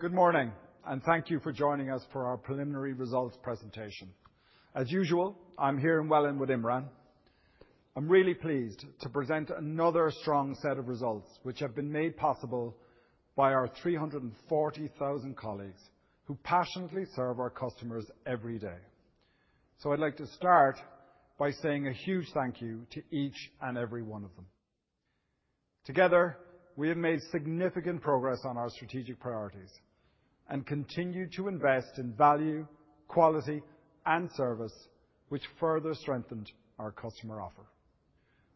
Good morning, and thank you for joining us for our preliminary results presentation. As usual, I'm here in Welwyn with Imran. I'm really pleased to present another strong set of results, which have been made possible by our 340,000 colleagues who passionately serve our customers every day. So I'd like to start by saying a huge thank you to each and every one of them. Together, we have made significant progress on our strategic priorities and continue to invest in value, quality, and service, which further strengthened our customer offer.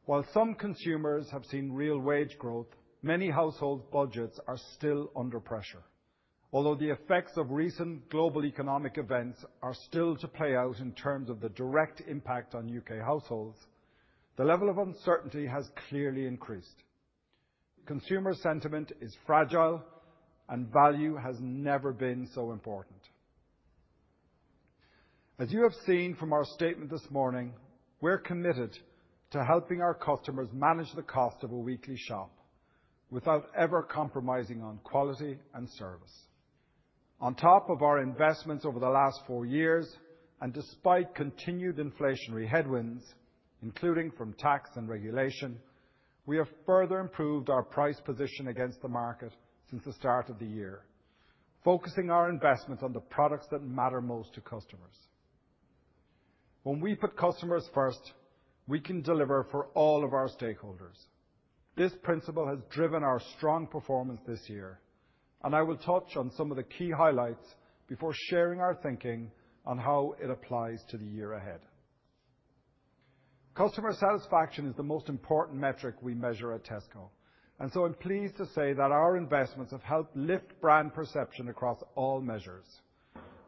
While some consumers have seen real wage growth, many household budgets are still under pressure. Although the effects of recent global economic events are still to play out in terms of the direct impact on U.K. households, the level of uncertainty has clearly increased. Consumer sentiment is fragile, and value has never been so important. As you have seen from our statement this morning, we're committed to helping our customers manage the cost of a weekly shop without ever compromising on quality and service. On top of our investments over the last four years, and despite continued inflationary headwinds, including from tax and regulation, we have further improved our price position against the market since the start of the year, focusing our investments on the products that matter most to customers. When we put customers first, we can deliver for all of our stakeholders. This principle has driven our strong performance this year, and I will touch on some of the key highlights before sharing our thinking on how it applies to the year ahead. Customer satisfaction is the most important metric we measure at Tesco, and so I'm pleased to say that our investments have helped lift brand perception across all measures,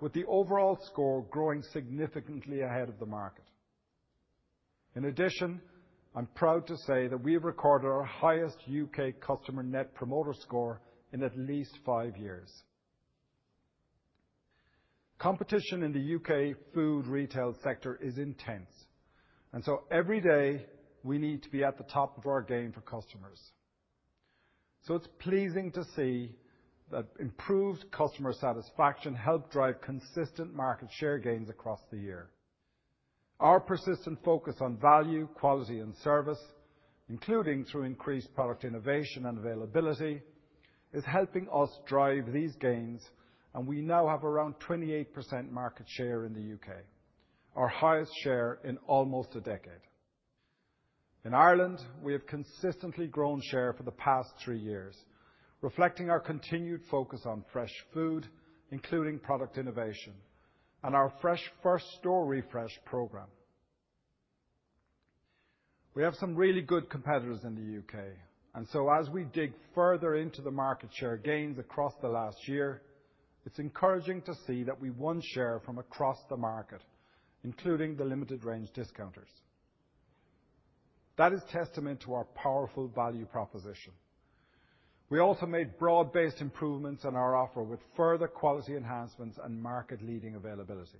with the overall score growing significantly ahead of the market. In addition, I'm proud to say that we have recorded our highest U.K. customer Net Promoter Score in at least five years. Competition in the U.K. food retail sector is intense, and so every day we need to be at the top of our game for customers. So it's pleasing to see that improved customer satisfaction helped drive consistent market share gains across the year. Our persistent focus on value, quality, and service, including through increased product innovation and availability, is helping us drive these gains, and we now have around 28% market share in the U.K., our highest share in almost a decade. In Ireland, we have consistently grown share for the past three years, reflecting our continued focus on fresh food, including product innovation, and our Fresh First Store Refresh program. We have some really good competitors in the UK, and so as we dig further into the market share gains across the last year, it's encouraging to see that we won share from across the market, including the limited range discounters. That is testament to our powerful value proposition. We also made broad-based improvements in our offer with further quality enhancements and market-leading availability.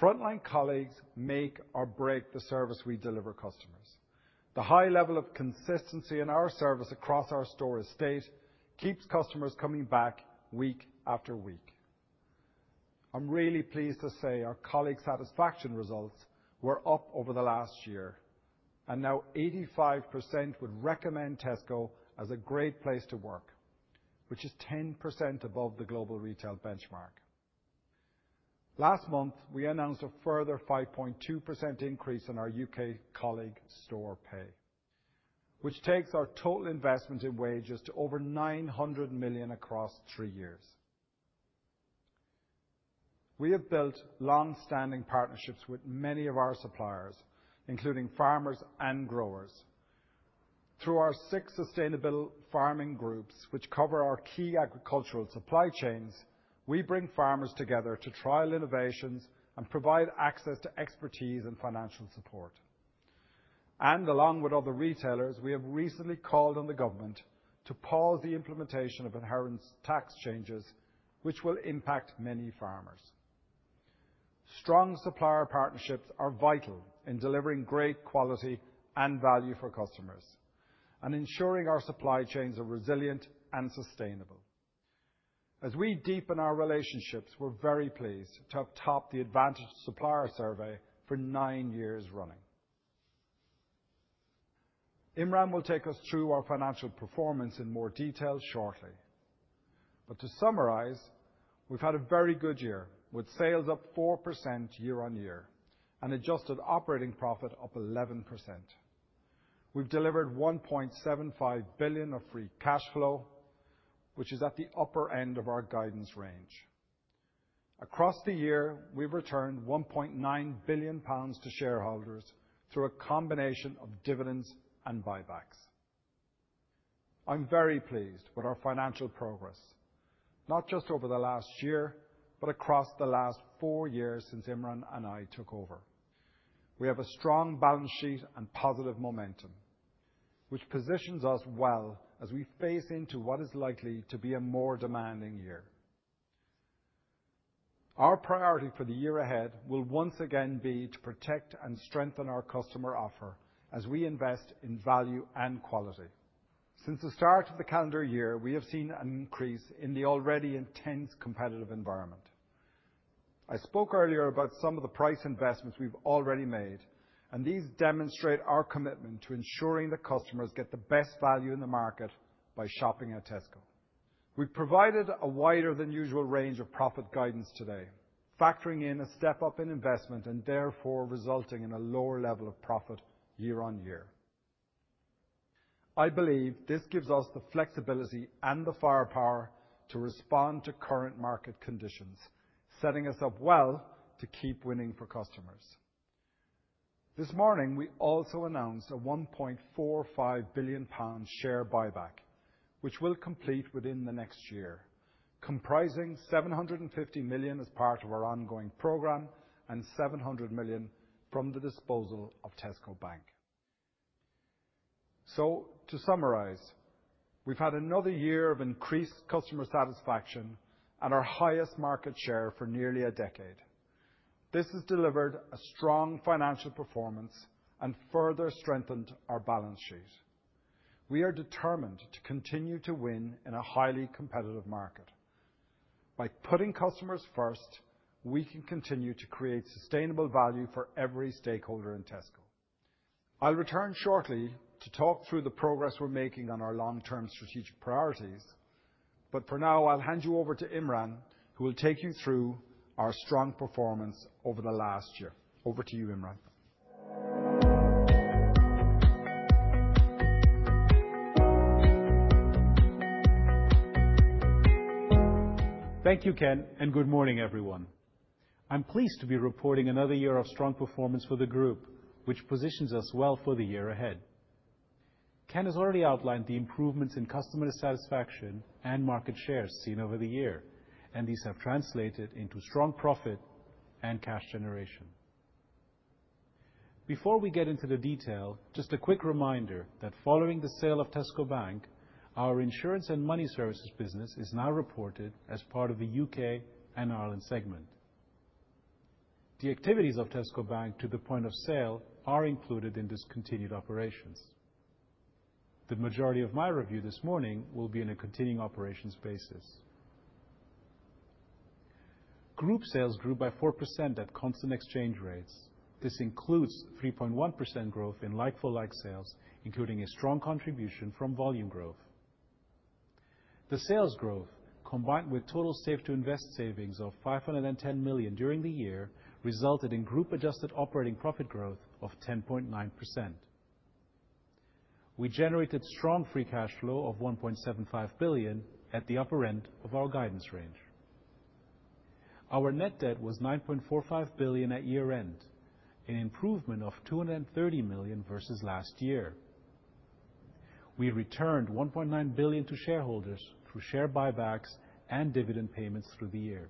Frontline colleagues make or break the service we deliver customers. The high level of consistency in our service across our store estate keeps customers coming back week after week. I'm really pleased to say our colleague satisfaction results were up over the last year, and now 85% would recommend Tesco as a great place to work, which is 10% above the global retail benchmark. Last month, we announced a further 5.2% increase in our UK colleague store pay, which takes our total investment in wages to over 900 million across three years. We have built long-standing partnerships with many of our suppliers, including farmers and growers. Through our six sustainable farming groups, which cover our key agricultural supply chains, we bring farmers together to trial innovations and provide access to expertise and financial support, and along with other retailers, we have recently called on the government to pause the implementation of inheritance tax changes, which will impact many farmers. Strong supplier partnerships are vital in delivering great quality and value for customers and ensuring our supply chains are resilient and sustainable. As we deepen our relationships, we're very pleased to have topped the Advantage Supplier Survey for nine years running. Imran will take us through our financial performance in more detail shortly. But to summarize, we've had a very good year with sales up 4% year on year and adjusted operating profit up 11%. We've delivered 1.75 billion of free cash flow, which is at the upper end of our guidance range. Across the year, we've returned 1.9 billion pounds to shareholders through a combination of dividends and buybacks. I'm very pleased with our financial progress, not just over the last year, but across the last four years since Imran and I took over. We have a strong balance sheet and positive momentum, which positions us well as we face into what is likely to be a more demanding year. Our priority for the year ahead will once again be to protect and strengthen our customer offer as we invest in value and quality. Since the start of the calendar year, we have seen an increase in the already intense competitive environment. I spoke earlier about some of the price investments we've already made, and these demonstrate our commitment to ensuring that customers get the best value in the market by shopping at Tesco. We've provided a wider than usual range of profit guidance today, factoring in a step up in investment and therefore resulting in a lower level of profit year on year. I believe this gives us the flexibility and the firepower to respond to current market conditions, setting us up well to keep winning for customers. This morning, we also announced a 1.45 billion pounds share buyback, which will complete within the next year, comprising 750 million as part of our ongoing program and 700 million from the disposal of Tesco Bank. So to summarize, we've had another year of increased customer satisfaction and our highest market share for nearly a decade. This has delivered a strong financial performance and further strengthened our balance sheet. We are determined to continue to win in a highly competitive market. By putting customers first, we can continue to create sustainable value for every stakeholder in Tesco. I'll return shortly to talk through the progress we're making on our long-term strategic priorities, but for now, I'll hand you over to Imran, who will take you through our strong performance over the last year. Over to you, Imran. Thank you, Ken, and good morning, everyone. I'm pleased to be reporting another year of strong performance for the group, which positions us well for the year ahead. Ken has already outlined the improvements in customer satisfaction and market shares seen over the year, and these have translated into strong profit and cash generation. Before we get into the detail, just a quick reminder that following the sale of Tesco Bank, our insurance and money services business is now reported as part of the UK and Ireland segment. The activities of Tesco Bank to the point of sale are included in discontinued operations. The majority of my review this morning will be on a continuing operations basis. Group sales grew by 4% at constant exchange rates. This includes 3.1% growth in like-for-like sales, including a strong contribution from volume growth. The sales growth, combined with total Save to Invest savings of 510 million during the year, resulted in group-adjusted operating profit growth of 10.9%. We generated strong free cash flow of 1.75 billion at the upper end of our guidance range. Our net debt was 9.45 billion at year-end, an improvement of 230 million versus last year. We returned 1.9 billion to shareholders through share buybacks and dividend payments through the year.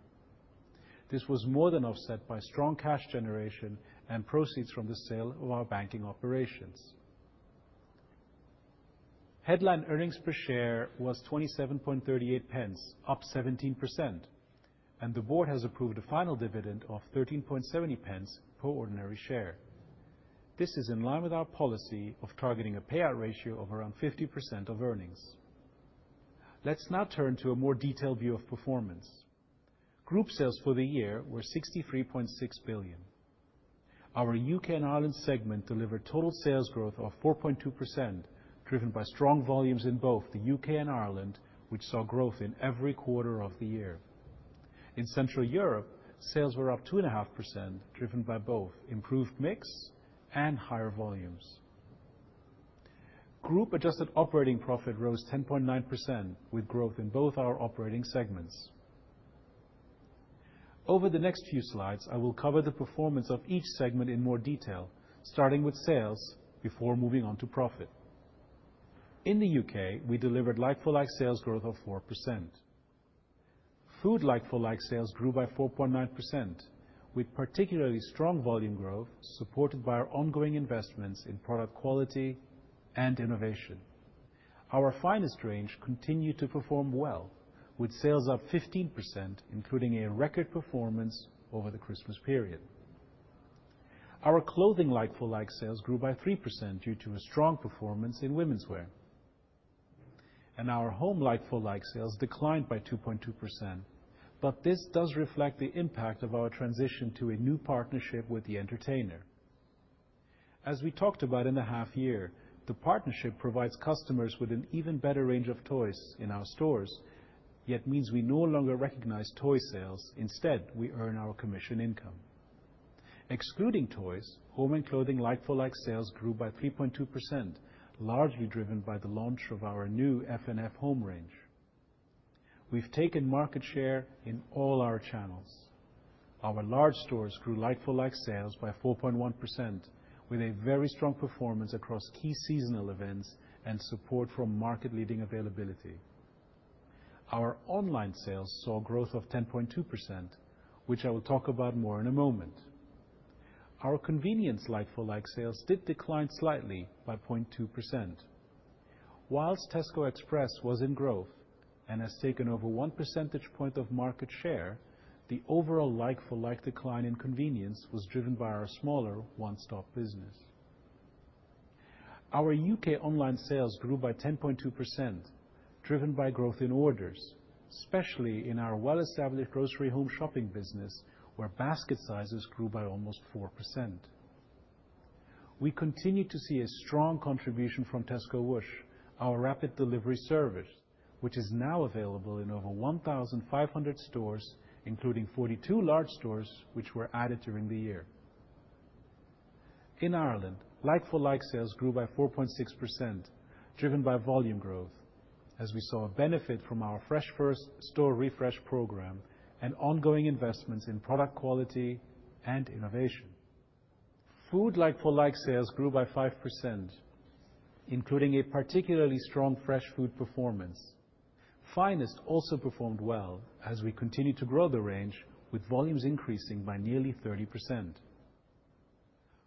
This was more than offset by strong cash generation and proceeds from the sale of our banking operations. Headline earnings per share was 27.38 pence, up 17%, and the board has approved a final dividend of 13.70 pence per ordinary share. This is in line with our policy of targeting a payout ratio of around 50% of earnings. Let's now turn to a more detailed view of performance. Group sales for the year were 63.6 billion. Our UK and Ireland segment delivered total sales growth of 4.2%, driven by strong volumes in both the UK and Ireland, which saw growth in every quarter of the year. In Central Europe, sales were up 2.5%, driven by both improved mix and higher volumes. Group-adjusted operating profit rose 10.9%, with growth in both our operating segments. Over the next few slides, I will cover the performance of each segment in more detail, starting with sales before moving on to profit. In the UK, we delivered like-for-like sales growth of 4%. Food like-for-like sales grew by 4.9%, with particularly strong volume growth supported by our ongoing investments in product quality and innovation. Our Finest range continued to perform well, with sales up 15%, including a record performance over the Christmas period. Our clothing like-for-like sales grew by 3% due to a strong performance in women's wear. Our home like-for-like sales declined by 2.2%, but this does reflect the impact of our transition to a new partnership with The Entertainer. As we talked about in the half year, the partnership provides customers with an even better range of toys in our stores, yet means we no longer recognize toy sales. Instead, we earn our commission income. Excluding toys, home and clothing like-for-like sales grew by 3.2%, largely driven by the launch of our new F&F Home range. We've taken market share in all our channels. Our large stores grew like-for-like sales by 4.1%, with a very strong performance across key seasonal events and support from market-leading availability. Our online sales saw growth of 10.2%, which I will talk about more in a moment. Our convenience like-for-like sales did decline slightly by 0.2%. While Tesco Express was in growth and has taken over 1 percentage point of market share, the overall like-for-like decline in convenience was driven by our smaller One Stop business. Our UK online sales grew by 10.2%, driven by growth in orders, especially in our well-established grocery home shopping business, where basket sizes grew by almost 4%. We continue to see a strong contribution from Tesco Whoosh, our rapid delivery service, which is now available in over 1,500 stores, including 42 large stores which were added during the year. In Ireland, like-for-like sales grew by 4.6%, driven by volume growth, as we saw a benefit from our Fresh First Store Refresh program and ongoing investments in product quality and innovation. Food like-for-like sales grew by 5%, including a particularly strong fresh food performance. Finest also performed well as we continue to grow the range, with volumes increasing by nearly 30%.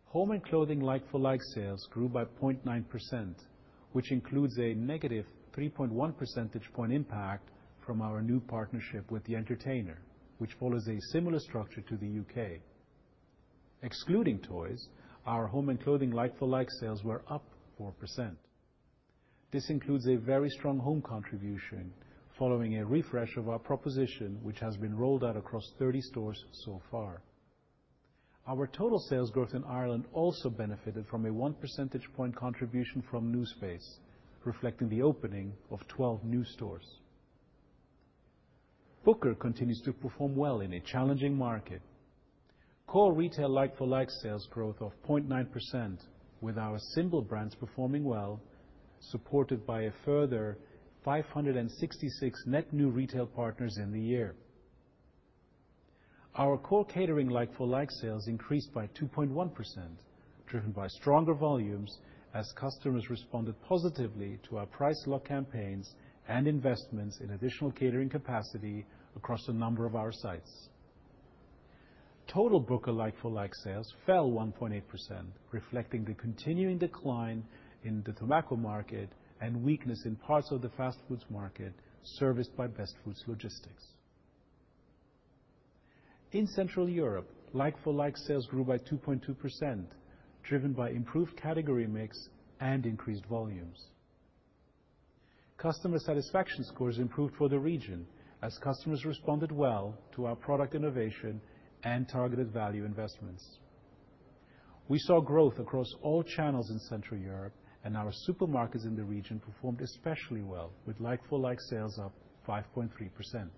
Home and clothing like-for-like sales grew by 0.9%, which includes a negative 3.1 percentage point impact from our new partnership with The Entertainer, which follows a similar structure to the UK. Excluding toys, our home and clothing like-for-like sales were up 4%. This includes a very strong home contribution following a refresh of our proposition, which has been rolled out across 30 stores so far. Our total sales growth in Ireland also benefited from a 1 percentage point contribution from Newspace, reflecting the opening of 12 new stores. Booker continues to perform well in a challenging market. Core retail like-for-like sales growth of 0.9%, with our symbol brands performing well, supported by a further 566 net new retail partners in the year. Our core catering like-for-like sales increased by 2.1%, driven by stronger volumes as customers responded positively to our price lock campaigns and investments in additional catering capacity across a number of our sites. Total Booker like-for-like sales fell 1.8%, reflecting the continuing decline in the tobacco market and weakness in parts of the fast foods market serviced by Best Food Logistics. In Central Europe, like-for-like sales grew by 2.2%, driven by improved category mix and increased volumes. Customer satisfaction scores improved for the region as customers responded well to our product innovation and targeted value investments. We saw growth across all channels in Central Europe, and our supermarkets in the region performed especially well, with like-for-like sales up 5.3%.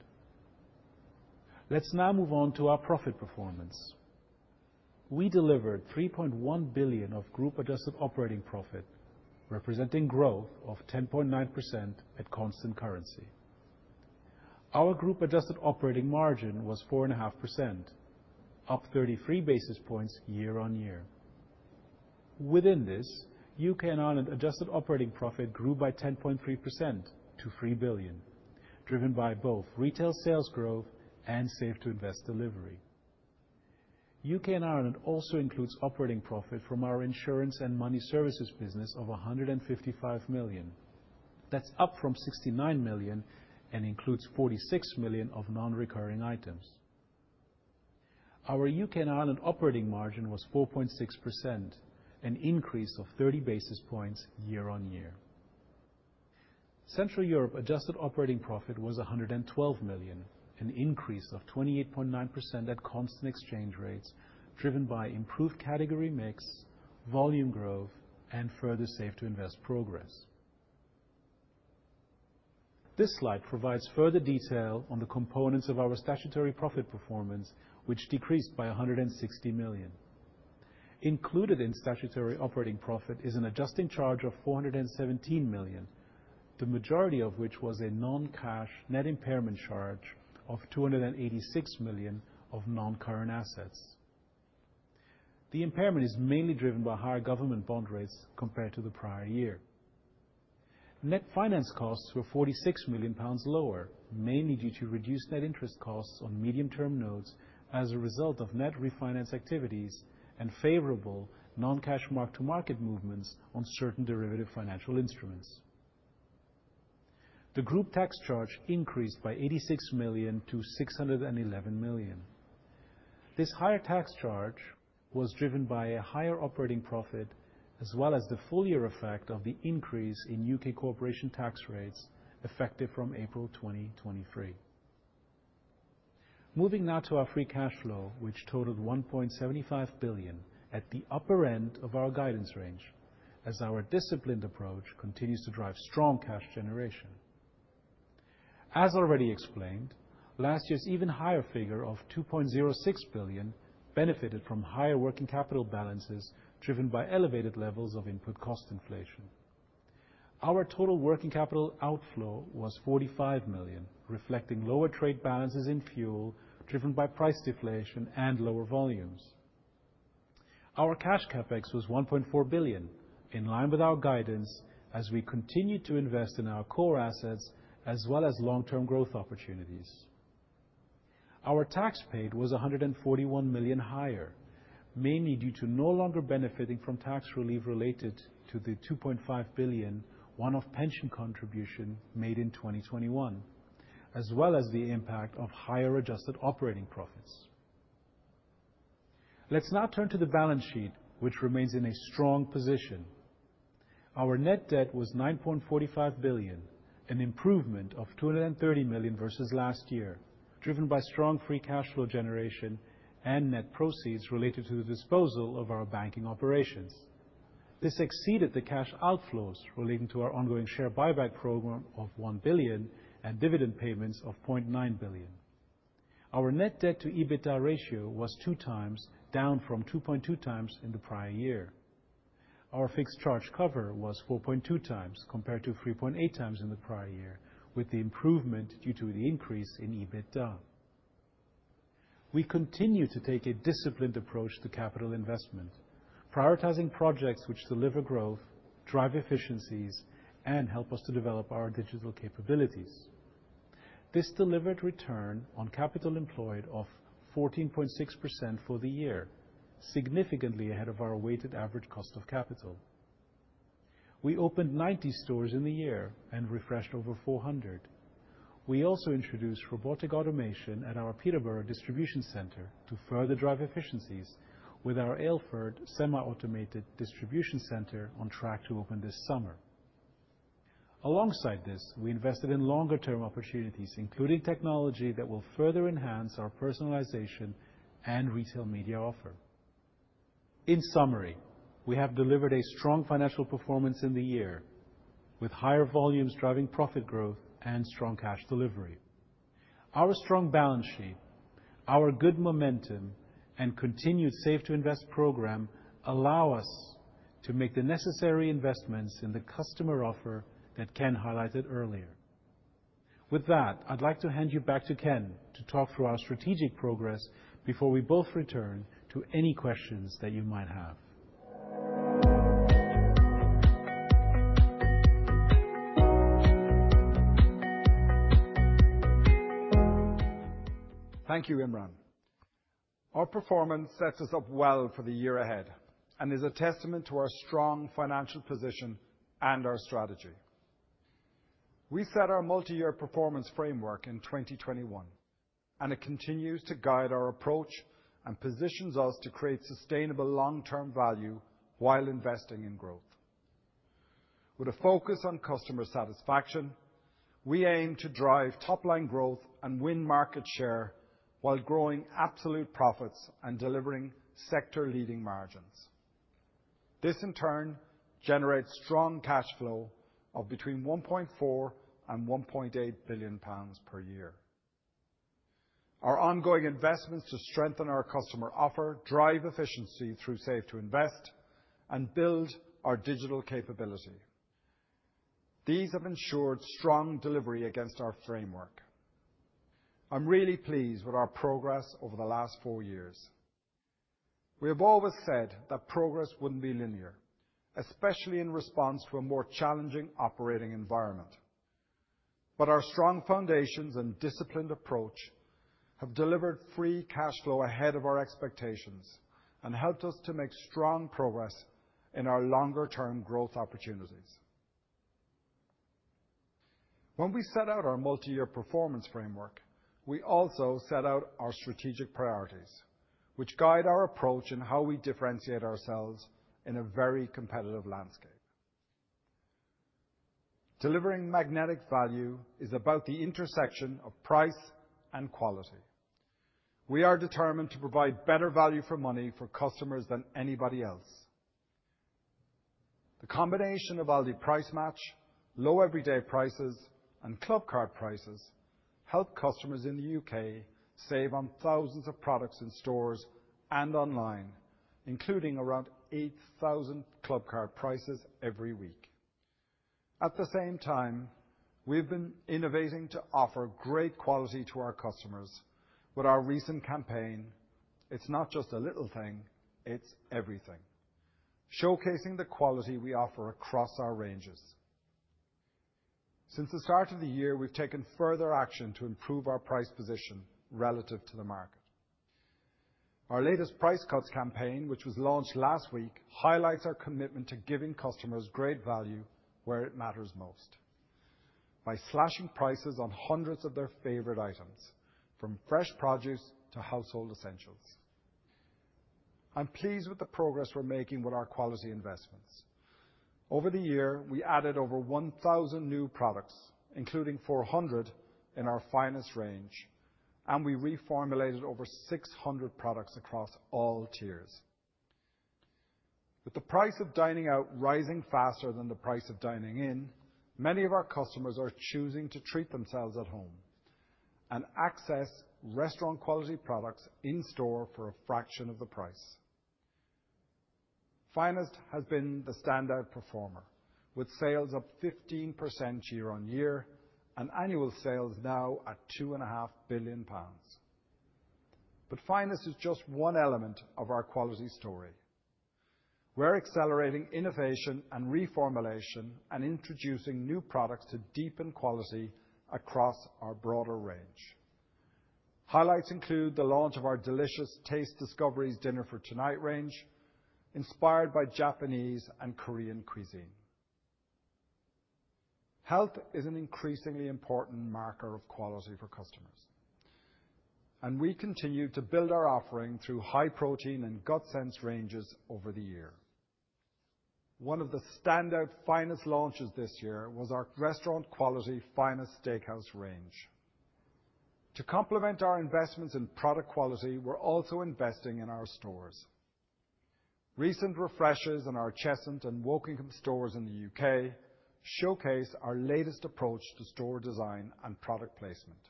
Let's now move on to our profit performance. We delivered 3.1 billion of group-adjusted operating profit, representing growth of 10.9% at constant currency. Our group-adjusted operating margin was 4.5%, up 33 basis points year on year. Within this, UK and Ireland adjusted operating profit grew by 10.3% to 3 billion, driven by both retail sales growth and Save to Invest delivery. UK and Ireland also includes operating profit from our insurance and money services business of 155 million. That's up from 69 million and includes 46 million of non-recurring items. Our UK and Ireland operating margin was 4.6%, an increase of 30 basis points year on year. Central Europe adjusted operating profit was 112 million, an increase of 28.9% at constant exchange rates, driven by improved category mix, volume growth, and further Save to Invest progress. This slide provides further detail on the components of our statutory profit performance, which decreased by 160 million. Included in statutory operating profit is an adjusting charge of 417 million, the majority of which was a non-cash net impairment charge of 286 million of non-current assets. The impairment is mainly driven by higher government bond rates compared to the prior year. Net finance costs were 46 million pounds lower, mainly due to reduced net interest costs on medium-term notes as a result of net refinance activities and favorable non-cash mark-to-market movements on certain derivative financial instruments. The group tax charge increased by 86 million to 611 million. This higher tax charge was driven by a higher operating profit, as well as the full year effect of the increase in UK corporation tax rates effective from April 2023. Moving now to our free cash flow, which totaled 1.75 billion at the upper end of our guidance range, as our disciplined approach continues to drive strong cash generation. As already explained, last year's even higher figure of 2.06 billion benefited from higher working capital balances driven by elevated levels of input cost inflation. Our total working capital outflow was 45 million, reflecting lower trade balances in fuel, driven by price deflation and lower volumes. Our cash CapEx was 1.4 billion, in line with our guidance as we continue to invest in our core assets as well as long-term growth opportunities. Our tax paid was 141 million higher, mainly due to no longer benefiting from tax relief related to the 2.5 billion one-off pension contribution made in 2021, as well as the impact of higher adjusted operating profits. Let's now turn to the balance sheet, which remains in a strong position. Our net debt was 9.45 billion, an improvement of 230 million versus last year, driven by strong free cash flow generation and net proceeds related to the disposal of our banking operations. This exceeded the cash outflows relating to our ongoing share buyback program of 1 billion and dividend payments of 0.9 billion. Our net debt to EBITDA ratio was two times, down from 2.2 times in the prior year. Our fixed charge cover was 4.2 times compared to 3.8 times in the prior year, with the improvement due to the increase in EBITDA. We continue to take a disciplined approach to capital investment, prioritizing projects which deliver growth, drive efficiencies, and help us to develop our digital capabilities. This delivered return on capital employed of 14.6% for the year, significantly ahead of our weighted average cost of capital. We opened 90 stores in the year and refreshed over 400. We also introduced robotic automation at our Peterborough Distribution Center to further drive efficiencies, with our Aylesford semi-automated distribution center on track to open this summer. Alongside this, we invested in longer-term opportunities, including technology that will further enhance our personalization and retail media offer. In summary, we have delivered a strong financial performance in the year, with higher volumes driving profit growth and strong cash delivery. Our strong balance sheet, our good momentum, and continued Save to Invest program allow us to make the necessary investments in the customer offer that Ken highlighted earlier. With that, I'd like to hand you back to Ken to talk through our strategic progress before we both return to any questions that you might have. Thank you, Imran. Our performance sets us up well for the year ahead and is a testament to our strong financial position and our strategy. We set our multi-year performance framework in 2021, and it continues to guide our approach and positions us to create sustainable long-term value while investing in growth. With a focus on customer satisfaction, we aim to drive top-line growth and win market share while growing absolute profits and delivering sector-leading margins. This, in turn, generates strong cash flow of between 1.4 billion and 1.8 billion pounds per year. Our ongoing investments to strengthen our customer offer drive efficiency through Save to Invest and build our digital capability. These have ensured strong delivery against our framework. I'm really pleased with our progress over the last four years. We have always said that progress wouldn't be linear, especially in response to a more challenging operating environment, but our strong foundations and disciplined approach have delivered free cash flow ahead of our expectations and helped us to make strong progress in our longer-term growth opportunities. When we set out our multi-year performance framework, we also set out our strategic priorities, which guide our approach in how we differentiate ourselves in a very competitive landscape. Delivering magnetic value is about the intersection of price and quality. We are determined to provide better value for money for customers than anybody else. The combination of Aldi Price Match, Low Everyday Prices, and Clubcard Prices helps customers in the UK save on thousands of products in stores and online, including around 8,000 Clubcard Prices every week. At the same time, we've been innovating to offer great quality to our customers with our recent campaign, "It's Not Just a Little Thing, It's Everything," showcasing the quality we offer across our ranges. Since the start of the year, we've taken further action to improve our price position relative to the market. Our latest price cuts campaign, which was launched last week, highlights our commitment to giving customers great value where it matters most, by slashing prices on hundreds of their favorite items, from fresh produce to household essentials. I'm pleased with the progress we're making with our quality investments. Over the year, we added over 1,000 new products, including 400 in our Finest range, and we reformulated over 600 products across all tiers. With the price of dining out rising faster than the price of dining in, many of our customers are choosing to treat themselves at home and access restaurant-quality products in store for a fraction of the price. Finest has been the standout performer, with sales up 15% year on year and annual sales now at 2.5 billion pounds. But Finest is just one element of our quality story. We're accelerating innovation and reformulation and introducing new products to deepen quality across our broader range. Highlights include the launch of our delicious Taste Discoveries Dinner for Tonight range, inspired by Japanese and Korean cuisine. Health is an increasingly important marker of quality for customers, and we continue to build our offering through high protein and gut-sense ranges over the year. One of the standout Finest launches this year was our restaurant-quality Finest Steakhouse range. To complement our investments in product quality, we're also investing in our stores. Recent refreshes in our Cheshunt and Wokingham stores in the UK showcase our latest approach to store design and product placement,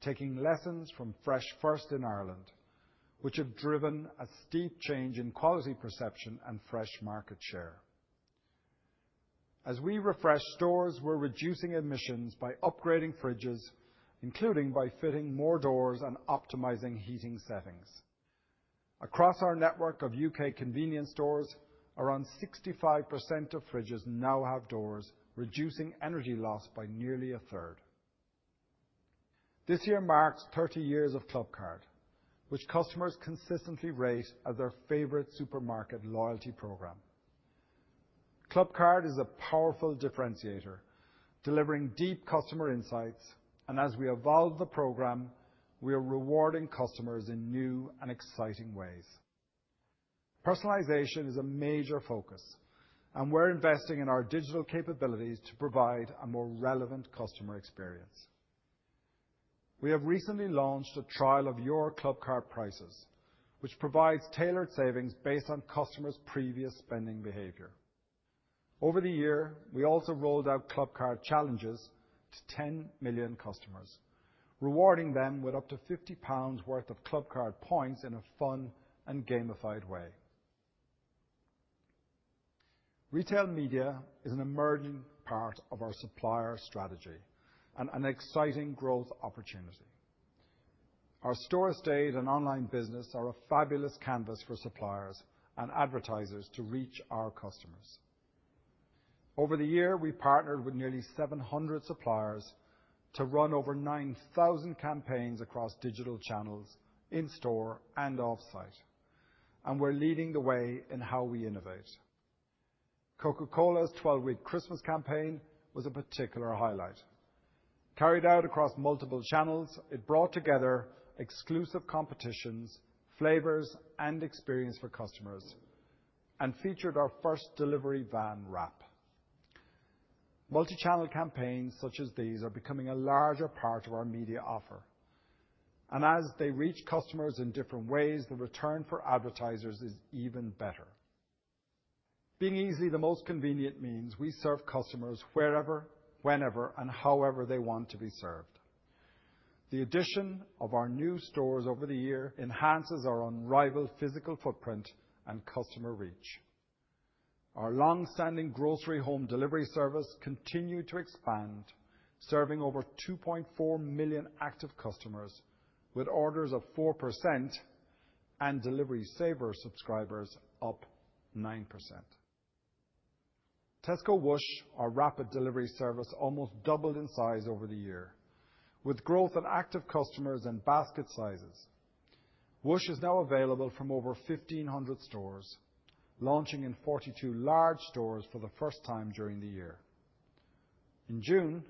taking lessons from Fresh First in Ireland, which have driven a steep change in quality perception and fresh market share. As we refresh stores, we're reducing emissions by upgrading fridges, including by fitting more doors and optimizing heating settings. Across our network of U.K. convenience stores, around 65% of fridges now have doors, reducing energy loss by nearly a third. This year marks 30 years of Clubcard, which customers consistently rate as their favorite supermarket loyalty program. Clubcard is a powerful differentiator, delivering deep customer insights, and as we evolve the program, we are rewarding customers in new and exciting ways. Personalization is a major focus, and we're investing in our digital capabilities to provide a more relevant customer experience. We have recently launched a trial of Your Clubcard Prices, which provides tailored savings based on customers' previous spending behavior. Over the year, we also rolled out Clubcard Challenges to 10 million customers, rewarding them with up to 50 pounds worth of Clubcard points in a fun and gamified way. Retail media is an emerging part of our supplier strategy and an exciting growth opportunity. Our store estate and online business are a fabulous canvas for suppliers and advertisers to reach our customers. Over the year, we partnered with nearly 700 suppliers to run over 9,000 campaigns across digital channels in store and offsite, and we're leading the way in how we innovate. Coca-Cola's 12-week Christmas campaign was a particular highlight. Carried out across multiple channels, it brought together exclusive competitions, flavors, and experience for customers, and featured our first delivery van wrap. Multi-channel campaigns such as these are becoming a larger part of our media offer, and as they reach customers in different ways, the return for advertisers is even better. Being easily the most convenient means we serve customers wherever, whenever, and however they want to be served. The addition of our new stores over the year enhances our unrivaled physical footprint and customer reach. Our long-standing grocery home delivery service continued to expand, serving over 2.4 million active customers with orders of 4% and Delivery Saver subscribers up 9%. Tesco Whoosh, our rapid delivery service, almost doubled in size over the year. With growth in active customers and basket sizes, Whoosh is now available from over 1,500 stores, launching in 42 large stores for the first time during the year. In June,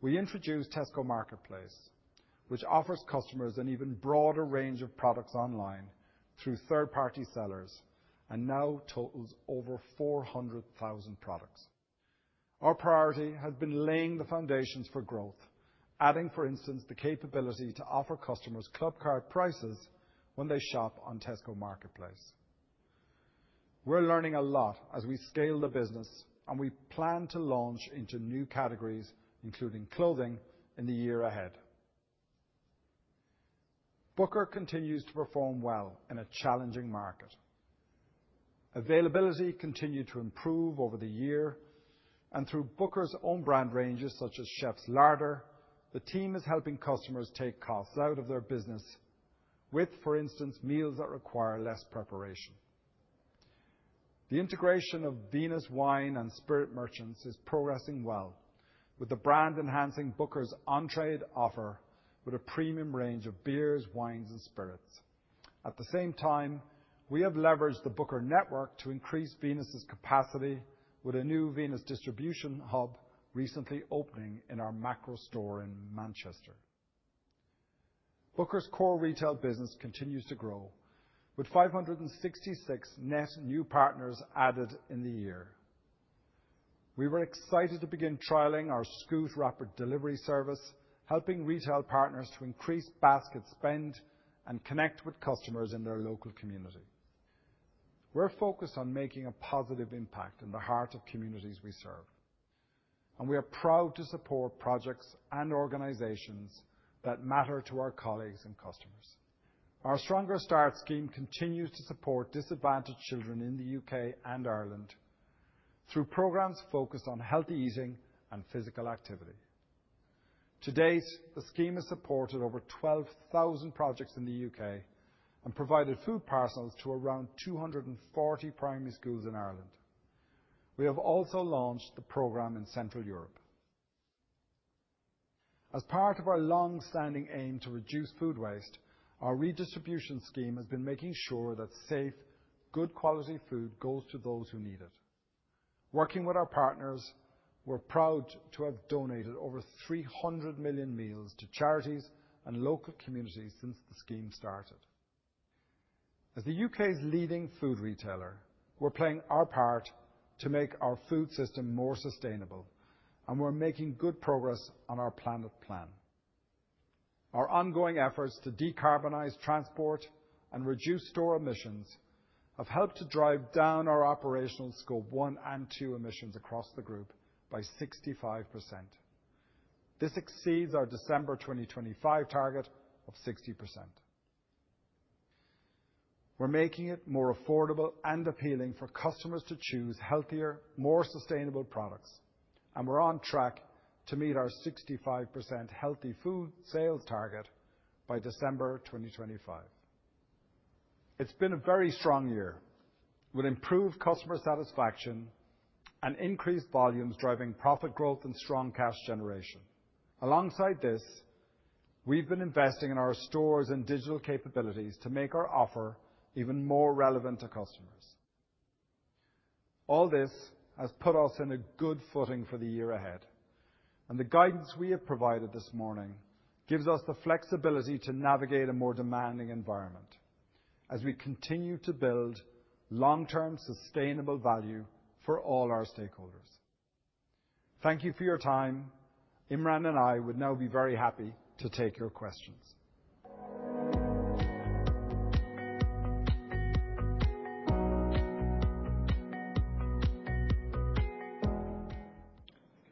we introduced Tesco Marketplace, which offers customers an even broader range of products online through third-party sellers and now totals over 400,000 products. Our priority has been laying the foundations for growth, adding, for instance, the capability to offer customers Clubcard Prices when they shop on Tesco Marketplace. We're learning a lot as we scale the business, and we plan to launch into new categories, including clothing, in the year ahead. Booker continues to perform well in a challenging market. Availability continued to improve over the year, and through Booker's own brand ranges such as Chef's Larder, the team is helping customers take costs out of their business with, for instance, meals that require less preparation. The integration of Venus Wine and Spirit Merchants is progressing well, with the brand enhancing Booker's Ontrade offer with a premium range of beers, wines, and spirits. At the same time, we have leveraged the Booker network to increase Venus's capacity with a new Venus distribution hub recently opening in our Makro store in Manchester. Booker's core retail business continues to grow, with 566 net new partners added in the year. We were excited to begin trialing our Snappy Shopper delivery service, helping retail partners to increase basket spend and connect with customers in their local community. We're focused on making a positive impact in the heart of communities we serve, and we are proud to support projects and organizations that matter to our colleagues and customers. Our Stronger Starts scheme continues to support disadvantaged children in the UK and Ireland through programs focused on healthy eating and physical activity. To date, the scheme has supported over 12,000 projects in the UK and provided food parcels to around 240 primary schools in Ireland. We have also launched the program in Central Europe. As part of our long-standing aim to reduce food waste, our redistribution scheme has been making sure that safe, good-quality food goes to those who need it. Working with our partners, we're proud to have donated over 300 million meals to charities and local communities since the scheme started. As the UK's leading food retailer, we're playing our part to make our food system more sustainable, and we're making good progress on our Planet Plan. Our ongoing efforts to decarbonize transport and reduce store emissions have helped to drive down our operational Scope 1 and 2 emissions across the group by 65%. This exceeds our December 2025 target of 60%. We're making it more affordable and appealing for customers to choose healthier, more sustainable products, and we're on track to meet our 65% healthy food sales target by December 2025. It's been a very strong year with improved customer satisfaction and increased volumes driving profit growth and strong cash generation. Alongside this, we've been investing in our stores and digital capabilities to make our offer even more relevant to customers. All this has put us in a good footing for the year ahead, and the guidance we have provided this morning gives us the flexibility to navigate a more demanding environment as we continue to build long-term sustainable value for all our stakeholders. Thank you for your time. Imran and I would now be very happy to take your questions.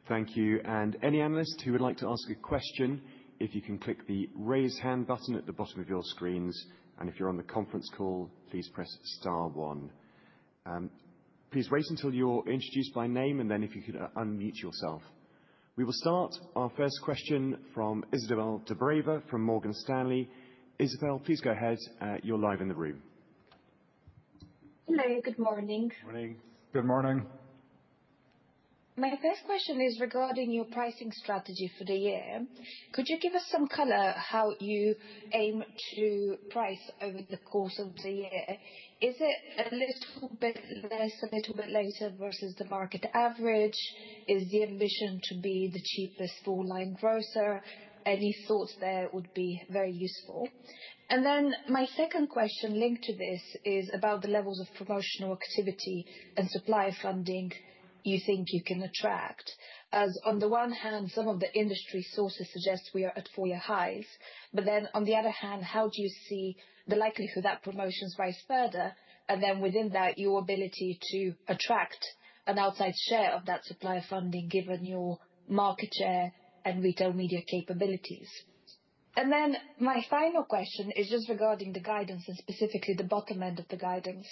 Thank you. Any analyst who would like to ask a question, if you can click the raise hand button at the bottom of your screens. If you're on the conference call, please press star one. Please wait until you're introduced by name, and then if you could unmute yourself. We will start our first question from Izabel Dobreva from Morgan Stanley. Izabel, please go ahead. You're live in the room. Hello. Good morning. Good morning. My first question is regarding your pricing strategy for the year. Could you give us some color on how you aim to price over the course of the year? Is it a little bit less, a little bit later versus the market average? Is the ambition to be the cheapest full-line grocer? Any thoughts there would be very useful. And then my second question linked to this is about the levels of promotional activity and supply funding you think you can attract. On the one hand, some of the industry sources suggest we are at four-year highs, but then on the other hand, how do you see the likelihood that promotions rise further? And then within that, your ability to attract an outside share of that supply funding given your market share and retail media capabilities. And then my final question is just regarding the guidance and specifically the bottom end of the guidance.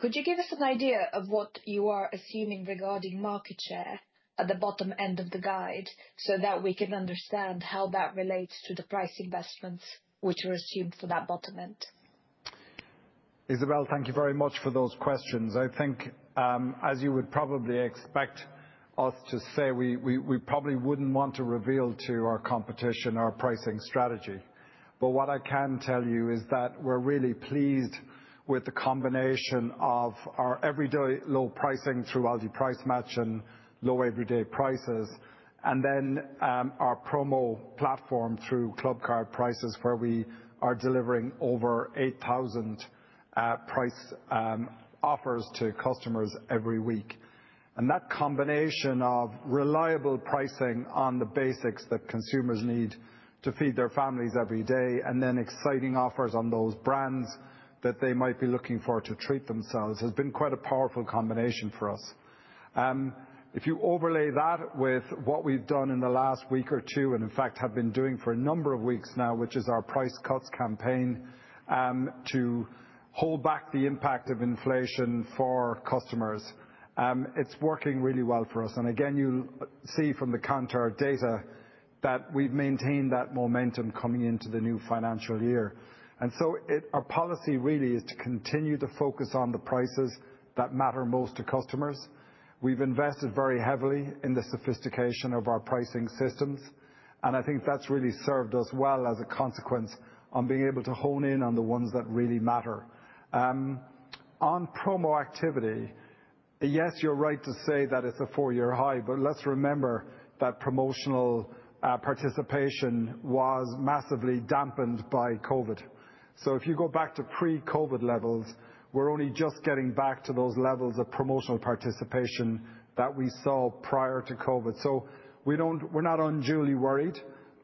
Could you give us an idea of what you are assuming regarding market share at the bottom end of the guide so that we can understand how that relates to the price investments which are assumed for that bottom end? Izabel, thank you very much for those questions. I think, as you would probably expect us to say, we probably wouldn't want to reveal to our competition our pricing strategy. But what I can tell you is that we're really pleased with the combination of our everyday low pricing through Aldi Price Match and Low Everyday Prices, and then our promo platform through Clubcard Prices where we are delivering over 8,000 price offers to customers every week. That combination of reliable pricing on the basics that consumers need to feed their families every day, and then exciting offers on those brands that they might be looking for to treat themselves, has been quite a powerful combination for us. If you overlay that with what we've done in the last week or two, and in fact have been doing for a number of weeks now, which is our price cuts campaign to hold back the impact of inflation for customers, it's working really well for us. And again, you'll see from the customer data that we've maintained that momentum coming into the new financial year. And so our policy really is to continue to focus on the prices that matter most to customers. We've invested very heavily in the sophistication of our pricing systems, and I think that's really served us well as a consequence on being able to hone in on the ones that really matter. On promo activity, yes, you're right to say that it's a four-year high, but let's remember that promotional participation was massively dampened by COVID. So if you go back to pre-COVID levels, we're only just getting back to those levels of promotional participation that we saw prior to COVID. So we're not unduly worried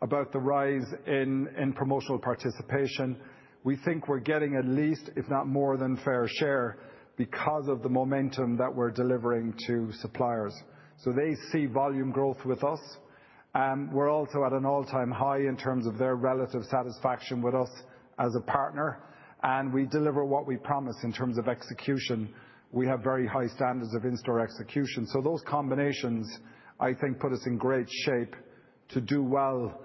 about the rise in promotional participation. We think we're getting at least, if not more than fair share because of the momentum that we're delivering to suppliers. So they see volume growth with us. We're also at an all-time high in terms of their relative satisfaction with us as a partner, and we deliver what we promise in terms of execution. We have very high standards of in-store execution. So those combinations, I think, put us in great shape to do well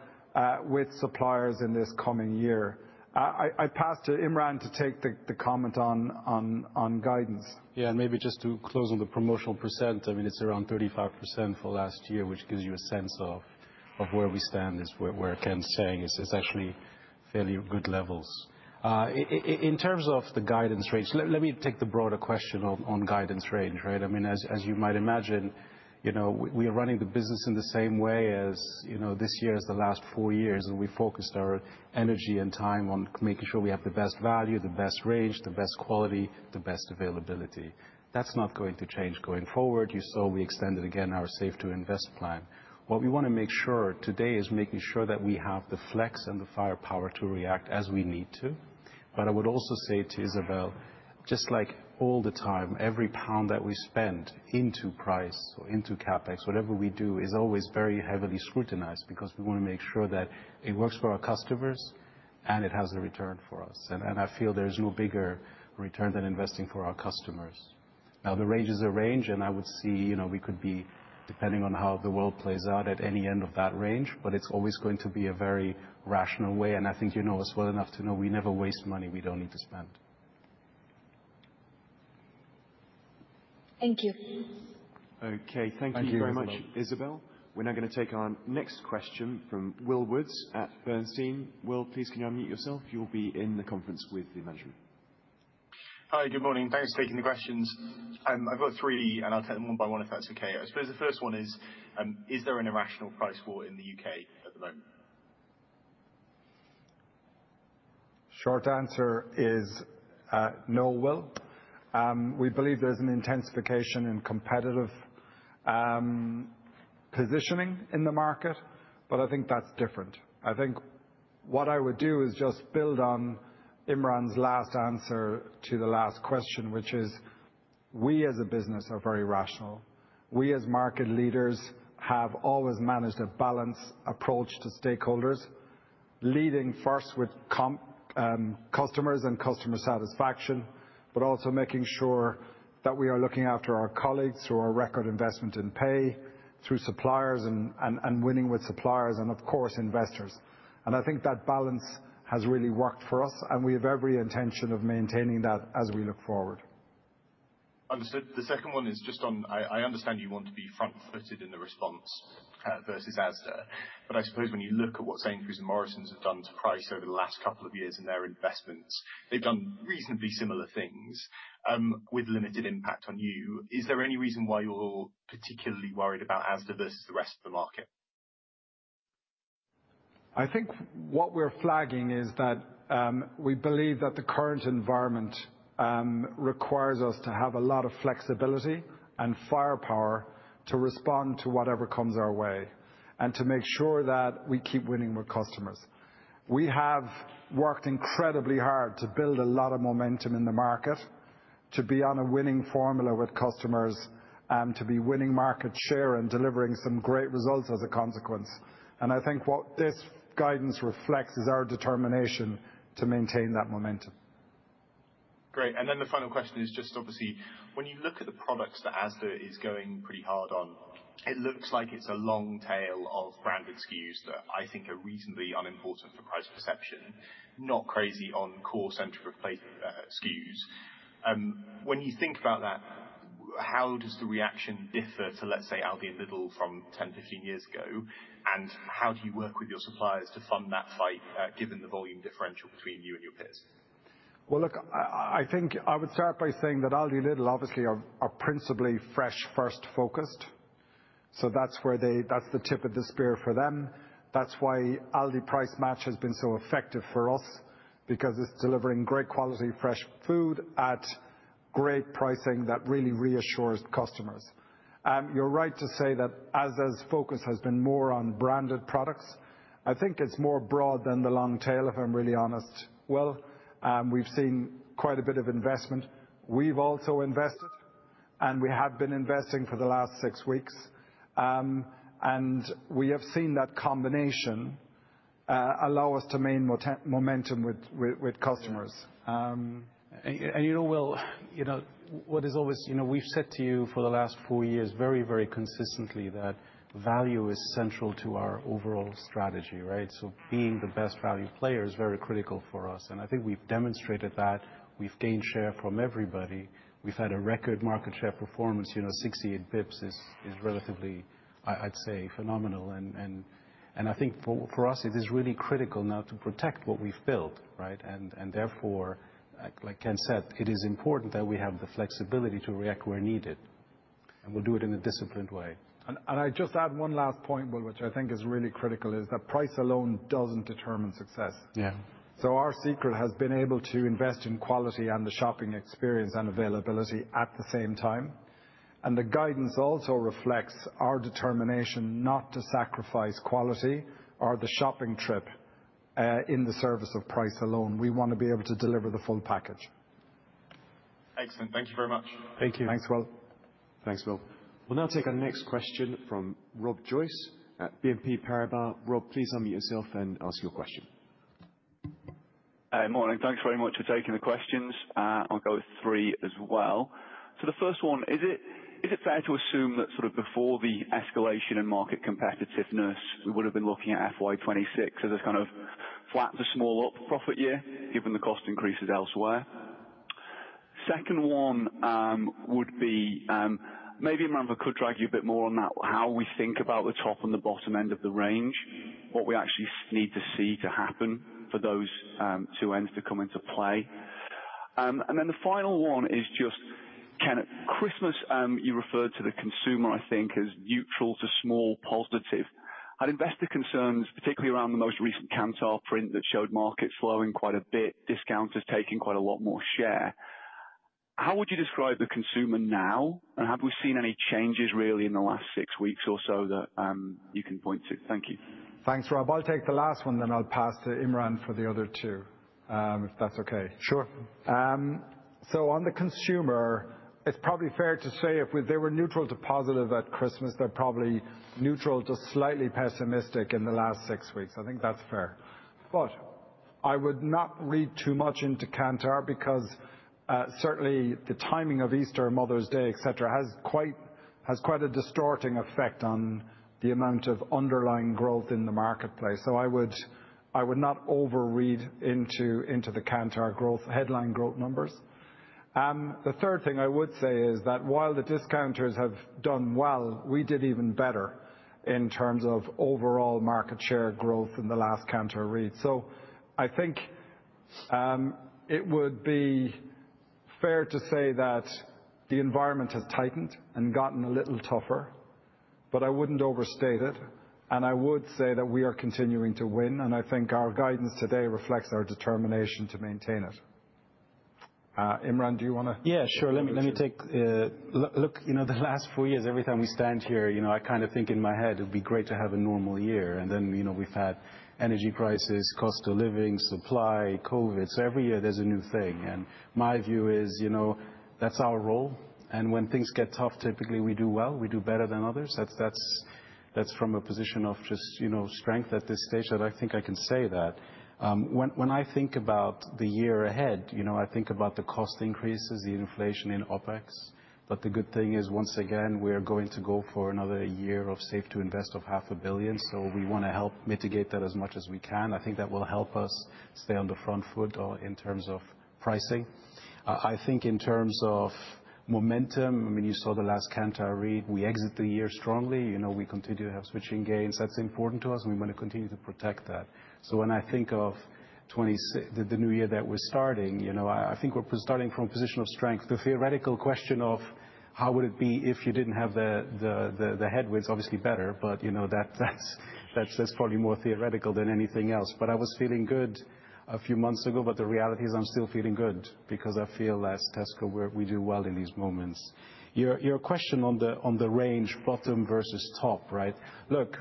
with suppliers in this coming year. I pass to Imran to take the comment on guidance. Yeah, and maybe just to close on the promotional percent, I mean, it's around 35% for last year, which gives you a sense of where we stand is where Ken's saying is actually fairly good levels. In terms of the guidance range, let me take the broader question on guidance range, right? I mean, as you might imagine, we are running the business in the same way as this year as the last four years, and we focused our energy and time on making sure we have the best value, the best range, the best quality, the best availability. That's not going to change going forward. You saw we extended again our Save to Invest plan. What we want to make sure today is making sure that we have the flex and the firepower to react as we need to. But I would also say to Izabel, just like all the time, every pound that we spend into price or into CapEx, whatever we do, is always very heavily scrutinized because we want to make sure that it works for our customers and it has a return for us. And I feel there is no bigger return than investing for our customers. Now, the range is a range, and I would see we could be, depending on how the world plays out, at any end of that range, but it's always going to be a very rational way. And I think you know us well enough to know we never waste money we don't need to spend. Thank you. Okay, thank you very much, Izabel. We're now going to take our next question from Will Woods at Bernstein. Will, please can you unmute yourself? You'll be in the conference with the management. Hi, good morning. Thanks for taking the questions. I've got three, and I'll take them one by one if that's okay. I suppose the first one is, is there an irrational price war in the U.K at the moment? Short answer is no, Will. We believe there's an intensification in competitive positioning in the market, but I think that's different. I think what I would do is just build on Imran's last answer to the last question, which is we as a business are very rational. We as market leaders have always managed a balanced approach to stakeholders, leading first with customers and customer satisfaction, but also making sure that we are looking after our colleagues through our record investment in pay, through suppliers, and winning with suppliers, and of course, investors. And I think that balance has really worked for us, and we have every intention of maintaining that as we look forward. Understood. The second one is just on. I understand you want to be front-footed in the response versus Asda, but I suppose when you look at what Sainsbury's and Morrisons have done to price over the last couple of years in their investments, they've done reasonably similar things with limited impact on you. Is there any reason why you're particularly worried about Asda versus the rest of the market? I think what we're flagging is that we believe that the current environment requires us to have a lot of flexibility and firepower to respond to whatever comes our way and to make sure that we keep winning with customers. We have worked incredibly hard to build a lot of momentum in the market, to be on a winning formula with customers, to be winning market share and delivering some great results as a consequence. And I think what this guidance reflects is our determination to maintain that momentum. Great. And then the final question is just obviously, when you look at the products that Asda is going pretty hard on, it looks like it's a long tail of branded SKUs that I think are reasonably unimportant for price perception, not crazy on core center of play SKUs. When you think about that, how does the reaction differ to, let's say, Aldi and Lidl from 10, 15 years ago, and how do you work with your suppliers to fund that fight given the volume differential between you and your peers? Well, look, I think I would start by saying that Aldi and Lidl obviously are principally fresh-first focused. So that's the tip of the spear for them. That's why Aldi Price Match has been so effective for us because it's delivering great quality fresh food at great pricing that really reassures customers. You're right to say that Asda's focus has been more on branded products. I think it's more broad than the long tail if I'm really honest. Well, we've seen quite a bit of investment. We've also invested, and we have been investing for the last six weeks. We have seen that combination allow us to maintain momentum with customers. You know, Will, what is always we've said to you for the last four years very, very consistently that value is central to our overall strategy, right? So being the best value player is very critical for us. I think we've demonstrated that. We've gained share from everybody. We've had a record market share performance. 68 basis points is relatively, I'd say, phenomenal. I think for us, it is really critical now to protect what we've built, right? Therefore, like Ken said, it is important that we have the flexibility to react where needed, and we'll do it in a disciplined way. I'd just add one last point, Will, which I think is really critical, is that price alone doesn't determine success. Yeah. So our secret has been able to invest in quality and the shopping experience and availability at the same time. And the guidance also reflects our determination not to sacrifice quality or the shopping trip in the service of price alone. We want to be able to deliver the full package. Excellent. Thank you very much. Thank you. Thanks, Will. Thanks, Will. We'll now take our next question from Rob Joyce at BNP Paribas. Rob, please unmute yourself and ask your question. Hey, morning. Thanks very much for taking the questions. I'll go with three as well. So the first one, is it fair to assume that sort of before the escalation in market competitiveness, we would have been looking at FY26 as a kind of flat to small up profit year given the cost increases elsewhere? Second one would be maybe Imran could drag you a bit more on that, how we think about the top and the bottom end of the range, what we actually need to see to happen for those two ends to come into play. And then the final one is just, Ken, this Christmas, you referred to the consumer, I think, as neutral to small positive. Had investor concerns, particularly around the most recent Kantar print that showed markets slowing quite a bit, discounters taking quite a lot more share. How would you describe the consumer now, and have we seen any changes really in the last six weeks or so that you can point to? Thank you. Thanks, Rob. I'll take the last one, then I'll pass to Imran for the other two, if that's okay. Sure. So on the consumer, it's probably fair to say if they were neutral to positive at Christmas, they're probably neutral to slightly pessimistic in the last six weeks. I think that's fair. But I would not read too much into Kantar because certainly the timing of Easter, Mother's Day, etc., has quite a distorting effect on the amount of underlying growth in the marketplace. So I would not overread into the Kantar headline growth numbers. The third thing I would say is that while the discounters have done well, we did even better in terms of overall market share growth in the last Kantar read. So I think it would be fair to say that the environment has tightened and gotten a little tougher, but I wouldn't overstate it. And I would say that we are continuing to win, and I think our guidance today reflects our determination to maintain it. Imran, do you want to? Yeah, sure. Let me take a look. The last four years, every time we stand here, I kind of think in my head it would be great to have a normal year. And then we've had energy crisis, cost of living, supply, COVID. So every year there's a new thing. And my view is that's our role. And when things get tough, typically we do well. We do better than others. That's from a position of just strength at this stage that I think I can say that. When I think about the year ahead, I think about the cost increases, the inflation in OpEx. But the good thing is, once again, we are going to go for another year of Save to Invest of 500 million. So we want to help mitigate that as much as we can. I think that will help us stay on the front foot in terms of pricing. I think in terms of momentum, I mean, you saw the last Kantar read. We exit the year strongly. We continue to have switching gains. That's important to us, and we want to continue to protect that. So when I think of the new year that we're starting, I think we're starting from a position of strength. The theoretical question of how would it be if you didn't have the headwinds, obviously better, but that's probably more theoretical than anything else. But I was feeling good a few months ago, but the reality is I'm still feeling good because I feel as Tesco, we do well in these moments. Your question on the range, bottom versus top, right? Look,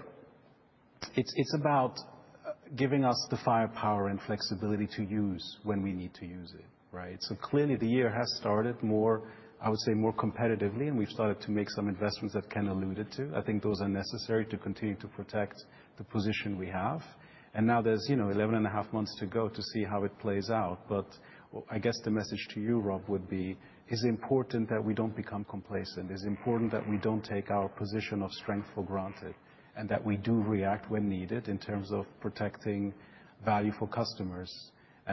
it's about giving us the firepower and flexibility to use when we need to use it, right? So clearly the year has started more, I would say more competitively, and we've started to make some investments that Ken alluded to. I think those are necessary to continue to protect the position we have. And now there's 11 and a half months to go to see how it plays out. But I guess the message to you, Rob, would be it's important that we don't become complacent. It's important that we don't take our position of strength for granted and that we do react when needed in terms of protecting value for customers.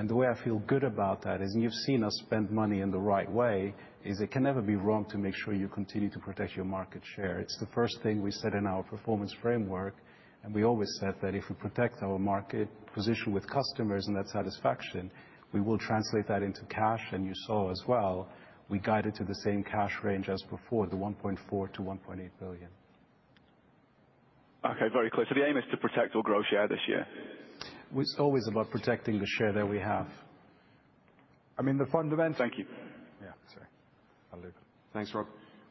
The way I feel good about that is, and you've seen us spend money in the right way, is it can never be wrong to make sure you continue to protect your market share. It's the first thing we said in our performance framework, and we always said that if we protect our market position with customers and that satisfaction, we will translate that into cash. And you saw as well, we guided to the same cash range as before, the 1.4-1.8 billion. Okay, very clear. So the aim is to protect overall share this year? It's always about protecting the share that we have. I mean, the fundamentals. Thank you. Yeah, sorry. Thanks, Rob.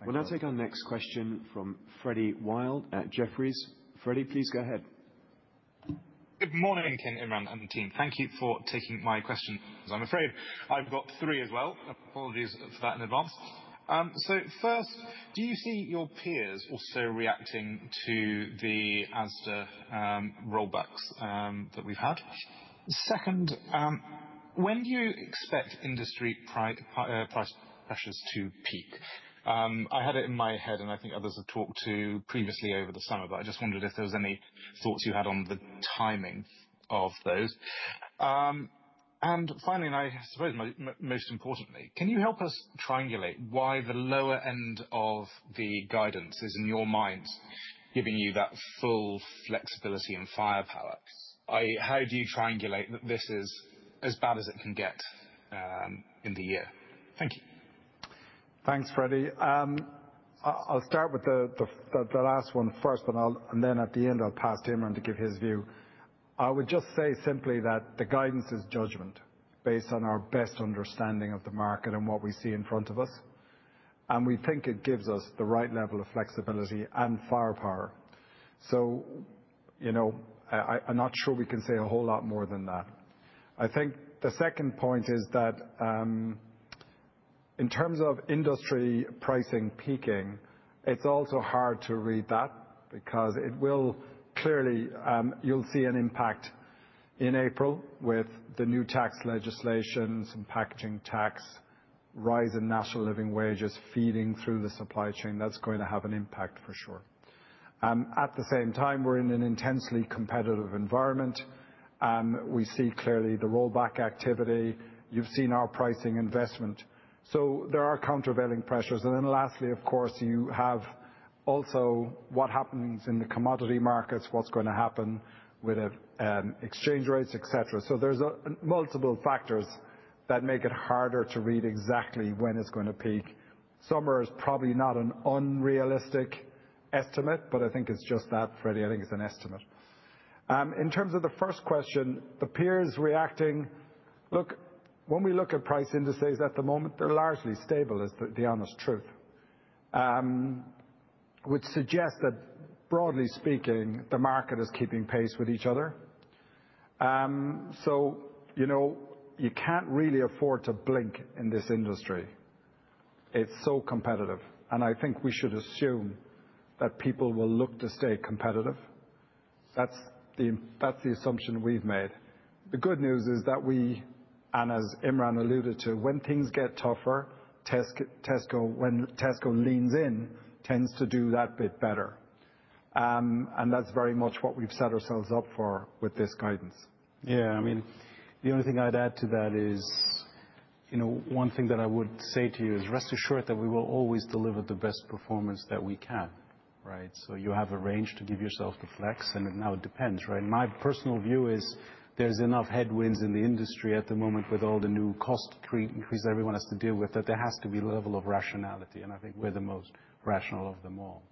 We'll now take our next question from Freddie Wild at Jefferies. Freddie, please go ahead. Good morning, Ken, Imran, and team. Thank you for taking my question. I'm afraid I've got three as well. Apologies for that in advance. So first, do you see your peers also reacting to the Asda Rollbacks that we've had? Second, when do you expect industry price pressures to peak? I had it in my head, and I think others have talked to previously over the summer, but I just wondered if there were any thoughts you had on the timing of those. And finally, and I suppose most importantly, can you help us triangulate why the lower end of the guidance is, in your mind, giving you that full flexibility and firepower? How do you triangulate that this is as bad as it can get in the year? Thank you. Thanks, Freddie. I'll start with the last one first, and then at the end, I'll pass to Imran to give his view. I would just say simply that the guidance is judgment based on our best understanding of the market and what we see in front of us. We think it gives us the right level of flexibility and firepower. I'm not sure we can say a whole lot more than that. I think the second point is that in terms of industry pricing peaking, it's also hard to read that because it will clearly—you'll see an impact in April with the new tax legislation, some packaging tax rise in national living wages feeding through the supply chain. That's going to have an impact for sure. At the same time, we're in an intensely competitive environment. We see clearly the rollback activity. You've seen our pricing investment. There are countervailing pressures. And then lastly, of course, you have also what happens in the commodity markets, what's going to happen with exchange rates, etc. So there's multiple factors that make it harder to read exactly when it's going to peak. Summer is probably not an unrealistic estimate, but I think it's just that, Freddie. I think it's an estimate. In terms of the first question, the peers reacting, look, when we look at price indices at the moment, they're largely stable, is the honest truth, which suggests that, broadly speaking, the market is keeping pace with each other. So you can't really afford to blink in this industry. It's so competitive. And I think we should assume that people will look to stay competitive. That's the assumption we've made. The good news is that we, and as Imran alluded to, when things get tougher, Tesco leans in, tends to do that bit better, and that's very much what we've set ourselves up for with this guidance. Yeah, I mean, the only thing I'd add to that is one thing that I would say to you is rest assured that we will always deliver the best performance that we can, right, so you have a range to give yourself to flex, and now it depends, right? My personal view is there's enough headwinds in the industry at the moment with all the new cost increase everyone has to deal with that there has to be a level of rationality, and I think we're the most rational of them all,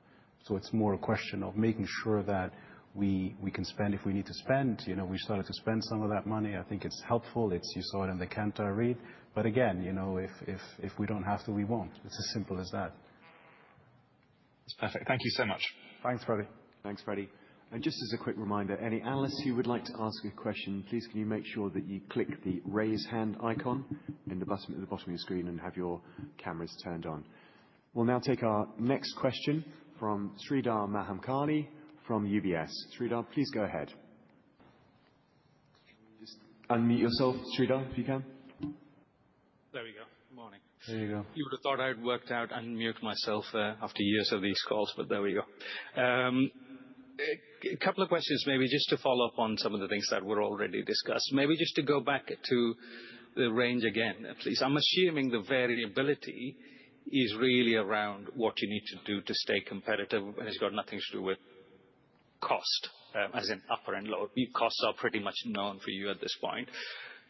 so it's more a question of making sure that we can spend if we need to spend. We've started to spend some of that money. I think it's helpful. You saw it in the Kantar read. But again, if we don't have to, we won't. It's as simple as that. That's perfect. Thank you so much. Thanks, Freddie. Thanks, Freddie. And just as a quick reminder, any analysts who would like to ask a question, please can you make sure that you click the raise hand icon in the bottom of your screen and have your cameras turned on. We'll now take our next question from Sridhar Mahamkali from UBS. Sridhar, please go ahead. Just unmute yourself, Sridhar, if you can. There we go. Good morning. There you go. You would have thought I'd worked out unmute myself after years of these calls, but there we go. A couple of questions, maybe just to follow up on some of the things that were already discussed. Maybe just to go back to the range again, please. I'm assuming the variability is really around what you need to do to stay competitive, and it's got nothing to do with cost as in upper and lower. Costs are pretty much known for you at this point,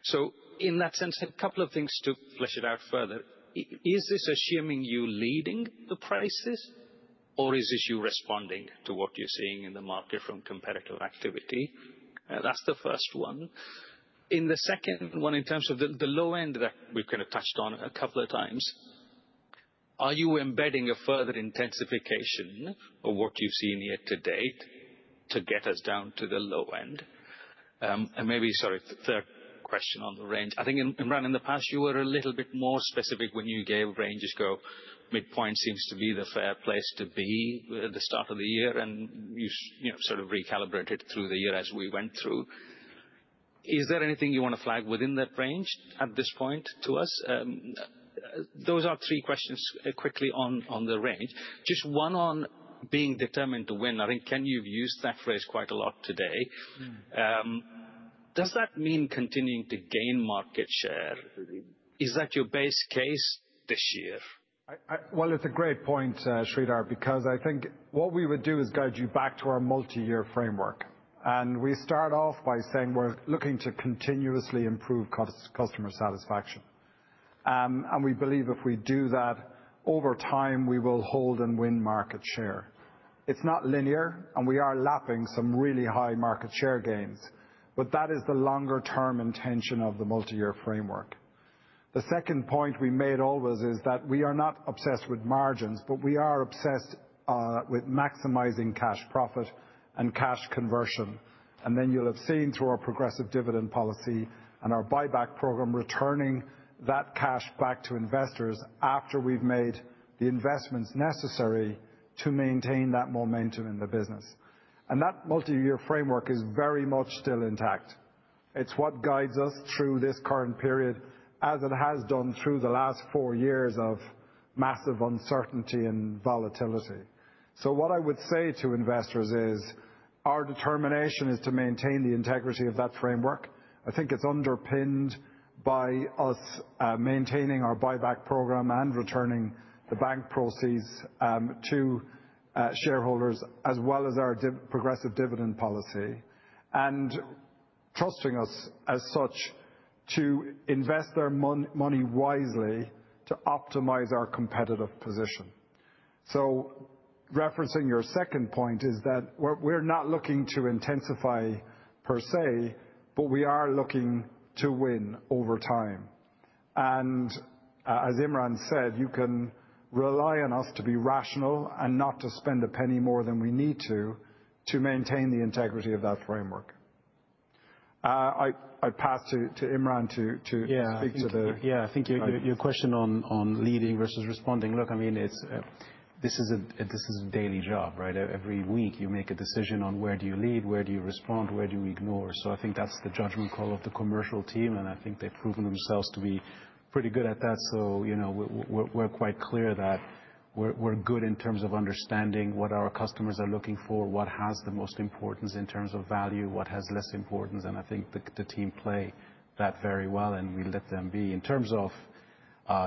so in that sense, a couple of things to flesh it out further. Is this assuming you're leading the prices, or is this you responding to what you're seeing in the market from competitive activity? That's the first one. In the second one, in terms of the low end that we've kind of touched on a couple of times, are you embedding a further intensification of what you've seen year to date to get us down to the low end? And maybe, sorry, third question on the range. I think, Imran, in the past, you were a little bit more specific when you gave ranges go. Midpoint seems to be the fair place to be at the start of the year, and you sort of recalibrated through the year as we went through. Is there anything you want to flag within that range at this point to us? Those are three questions quickly on the range. Just one on being determined to win. I think Kenny has used that phrase quite a lot today. Does that mean continuing to gain market share? Is that your base case this year? Well, it's a great point, Sridhar, because I think what we would do is guide you back to our multi-year framework. And we start off by saying we're looking to continuously improve customer satisfaction. We believe if we do that over time, we will hold and win market share. It's not linear, and we are lapping some really high market share gains, but that is the longer-term intention of the multi-year framework. The second point we made always is that we are not obsessed with margins, but we are obsessed with maximizing cash profit and cash conversion. And then you'll have seen through our progressive dividend policy and our buyback program returning that cash back to investors after we've made the investments necessary to maintain that momentum in the business. And that multi-year framework is very much still intact. It's what guides us through this current period as it has done through the last four years of massive uncertainty and volatility. So what I would say to investors is our determination is to maintain the integrity of that framework. I think it's underpinned by us maintaining our buyback program and returning the bank proceeds to shareholders as well as our progressive dividend policy and trusting us as such to invest their money wisely to optimize our competitive position. So referencing your second point is that we're not looking to intensify per se, but we are looking to win over time. And as Imran said, you can rely on us to be rational and not to spend a penny more than we need to to maintain the integrity of that framework. I pass to Imran to speak. Yeah, I think your question on leading versus responding, look, I mean, this is a daily job, right? Every week you make a decision on where do you lead, where do you respond, where do you ignore. So I think that's the judgment call of the commercial team, and I think they've proven themselves to be pretty good at that. So we're quite clear that we're good in terms of understanding what our customers are looking for, what has the most importance in terms of value, what has less importance. And I think the team play that very well, and we let them be. In terms of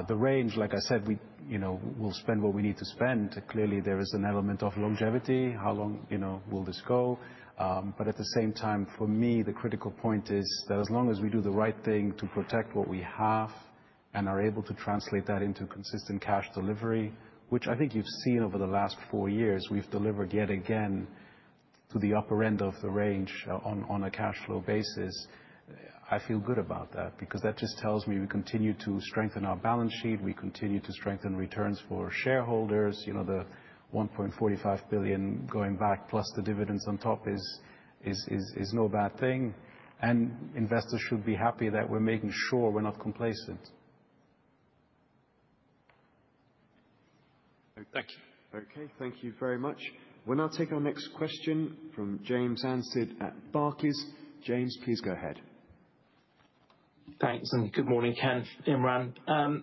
the range, like I said, we'll spend what we need to spend. Clearly, there is an element of longevity. How long will this go? But at the same time, for me, the critical point is that as long as we do the right thing to protect what we have and are able to translate that into consistent cash delivery, which I think you've seen over the last four years, we've delivered yet again to the upper end of the range on a cash flow basis. I feel good about that because that just tells me we continue to strengthen our balance sheet. We continue to strengthen returns for shareholders. The 1.45 billion going back plus the dividends on top is no bad thing. And investors should be happy that we're making sure we're not complacent. Thank you. Okay, thank you very much. We'll now take our next question from James Anstead at Barclays. James, please go ahead. Thanks. And good morning, Ken, Imran.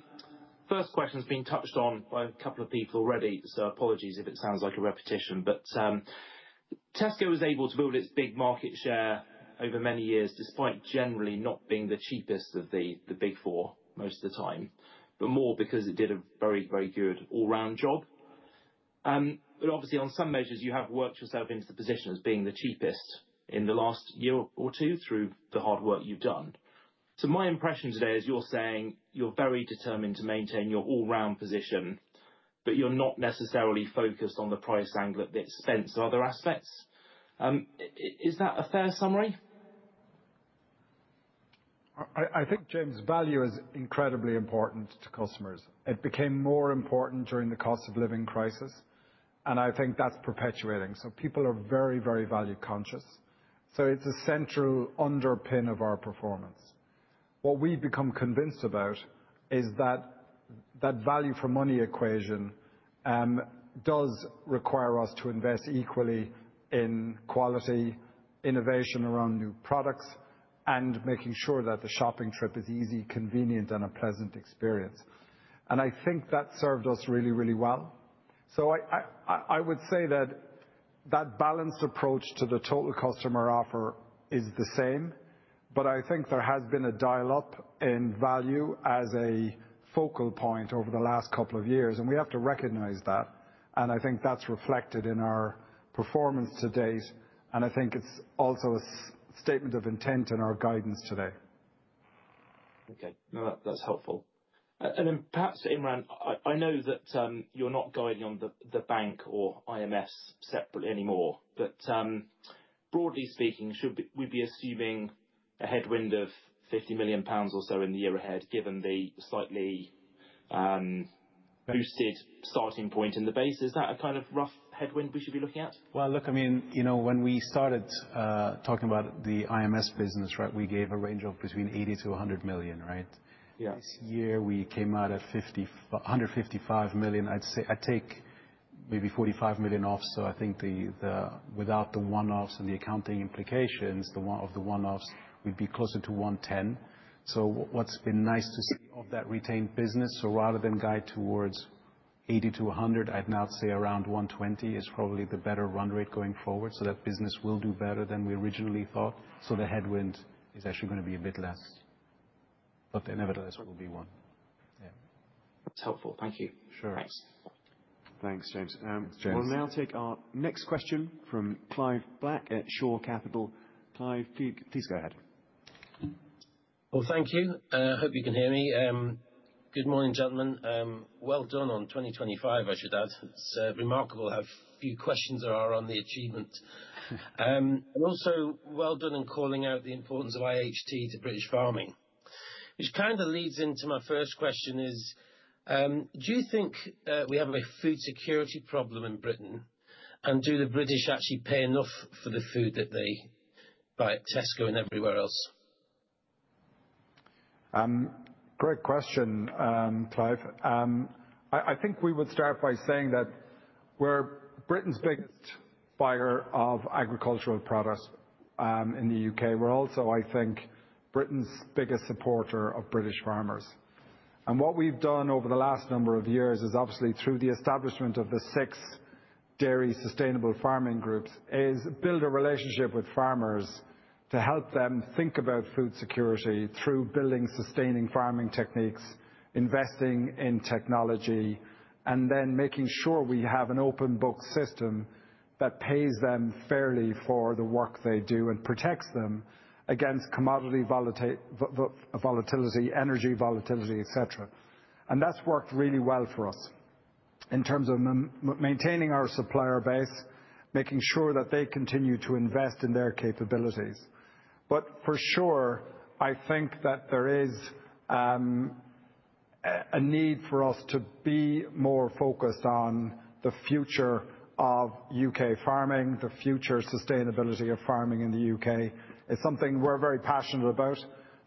First question has been touched on by a couple of people already, so apologies if it sounds like a repetition, but Tesco was able to build its big market share over many years despite generally not being the cheapest of the Big Four most of the time, but more because it did a very, very good all-round job. But obviously, on some measures, you have worked yourself into the position as being the cheapest in the last year or two through the hard work you've done. So my impression today is you're saying you're very determined to maintain your all-round position, but you're not necessarily focused on the price angle that spends other aspects. Is that a fair summary? I think, James, value is incredibly important to customers. It became more important during the cost of living crisis, and I think that's perpetuating. So people are very, very value conscious. So it's a central underpin of our performance. What we've become convinced about is that that value for money equation does require us to invest equally in quality, innovation around new products, and making sure that the shopping trip is easy, convenient, and a pleasant experience. And I think that served us really, really well. So I would say that that balanced approach to the total customer offer is the same, but I think there has been a dial-up in value as a focal point over the last couple of years, and we have to recognize that. And I think that's reflected in our performance to date, and I think it's also a statement of intent in our guidance today. Okay. No, that's helpful. Perhaps, Imran, I know that you're not guiding on the bank or IMS separately anymore, but broadly speaking, we'd be assuming a headwind of 50 million pounds or so in the year ahead given the slightly boosted starting point in the base. Is that a kind of rough headwind we should be looking at? Look, I mean, when we started talking about the IMS business, right, we gave a range of between 80-100 million, right? Yeah. This year, we came out at 155 million. I'd take maybe 45 million off. So I think without the one-offs and the accounting implications, the one of the one-offs would be closer to 110 million. So what's been nice to see of that retained business, so rather than guide towards 80-100, I'd now say around 120 is probably the better run rate going forward so that business will do better than we originally thought. So the headwind is actually going to be a bit less, but then nevertheless, we'll be one. Yeah. That's helpful. Thank you. Thanks. Thanks, James. We'll now take our next question from Clive Black at Shore Capital. Clive, please go ahead. Well, thank you. I hope you can hear me. Good morning, gentlemen. Well done on 2025, I should add. It's remarkable how few questions there are on the achievement. And also, well done in calling out the importance of IHT to British farming. Which kind of leads into my first question is, do you think we have a food security problem in Britain, and do the British actually pay enough for the food that they buy at Tesco and everywhere else? Great question, Clive. I think we would start by saying that we're Britain's biggest buyer of agricultural products in the UK. We're also, I think, Britain's biggest supporter of British farmers. And what we've done over the last number of years is obviously through the establishment of the six dairy sustainable farming groups is build a relationship with farmers to help them think about food security through building sustaining farming techniques, investing in technology, and then making sure we have an open book system that pays them fairly for the work they do and protects them against commodity volatility, energy volatility, etc. And that's worked really well for us in terms of maintaining our supplier base, making sure that they continue to invest in their capabilities. But for sure, I think that there is a need for us to be more focused on the future of U.K. farming, the future sustainability of farming in the U.K. It's something we're very passionate about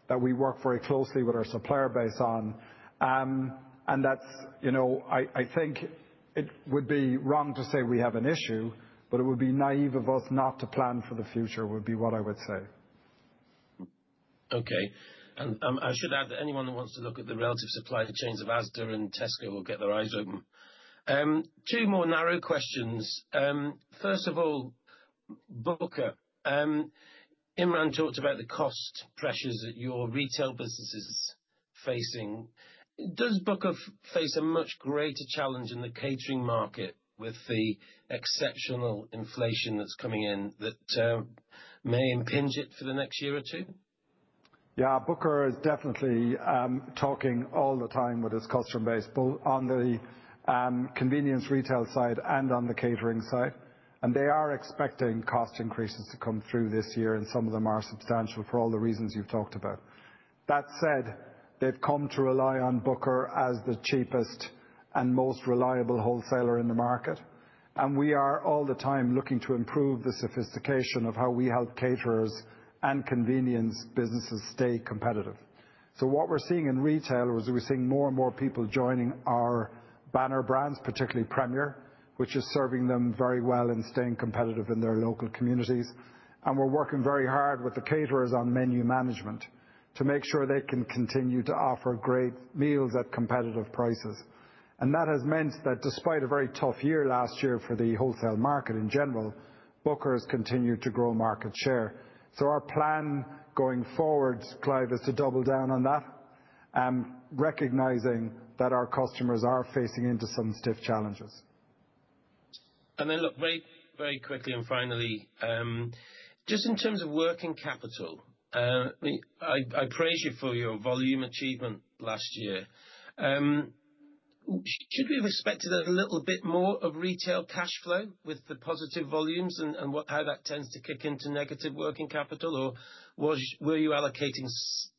that we work very closely with our supplier base on. And I think it would be wrong to say we have an issue, but it would be naive of us not to plan for the future would be what I would say. Okay. And I should add that anyone who wants to look at the relative supply chains of Asda and Tesco will get their eyes open. Two more narrow questions. First of all, Booker, Imran talked about the cost pressures that your retail business is facing. Does Booker face a much greater challenge in the catering market with the exceptional inflation that's coming in that may impinge on it for the next year or two? Yeah, Booker is definitely talking all the time with his customer base, both on the convenience retail side and on the catering side. And they are expecting cost increases to come through this year, and some of them are substantial for all the reasons you've talked about. That said, they've come to rely on Booker as the cheapest and most reliable wholesaler in the market. And we are all the time looking to improve the sophistication of how we help caterers and convenience businesses stay competitive. So what we're seeing in retail is we're seeing more and more people joining our banner brands, particularly Premier, which is serving them very well and staying competitive in their local communities. We're working very hard with the caterers on menu management to make sure they can continue to offer great meals at competitive prices. That has meant that despite a very tough year last year for the wholesale market in general, Booker has continued to grow market share. Our plan going forward, Clive, is to double down on that, recognizing that our customers are facing into some stiff challenges. Look, very, very quickly and finally, just in terms of working capital, I praise you for your volume achievement last year. Should we have expected a little bit more of retail cash flow with the positive volumes and how that tends to kick into negative working capital, or were you allocating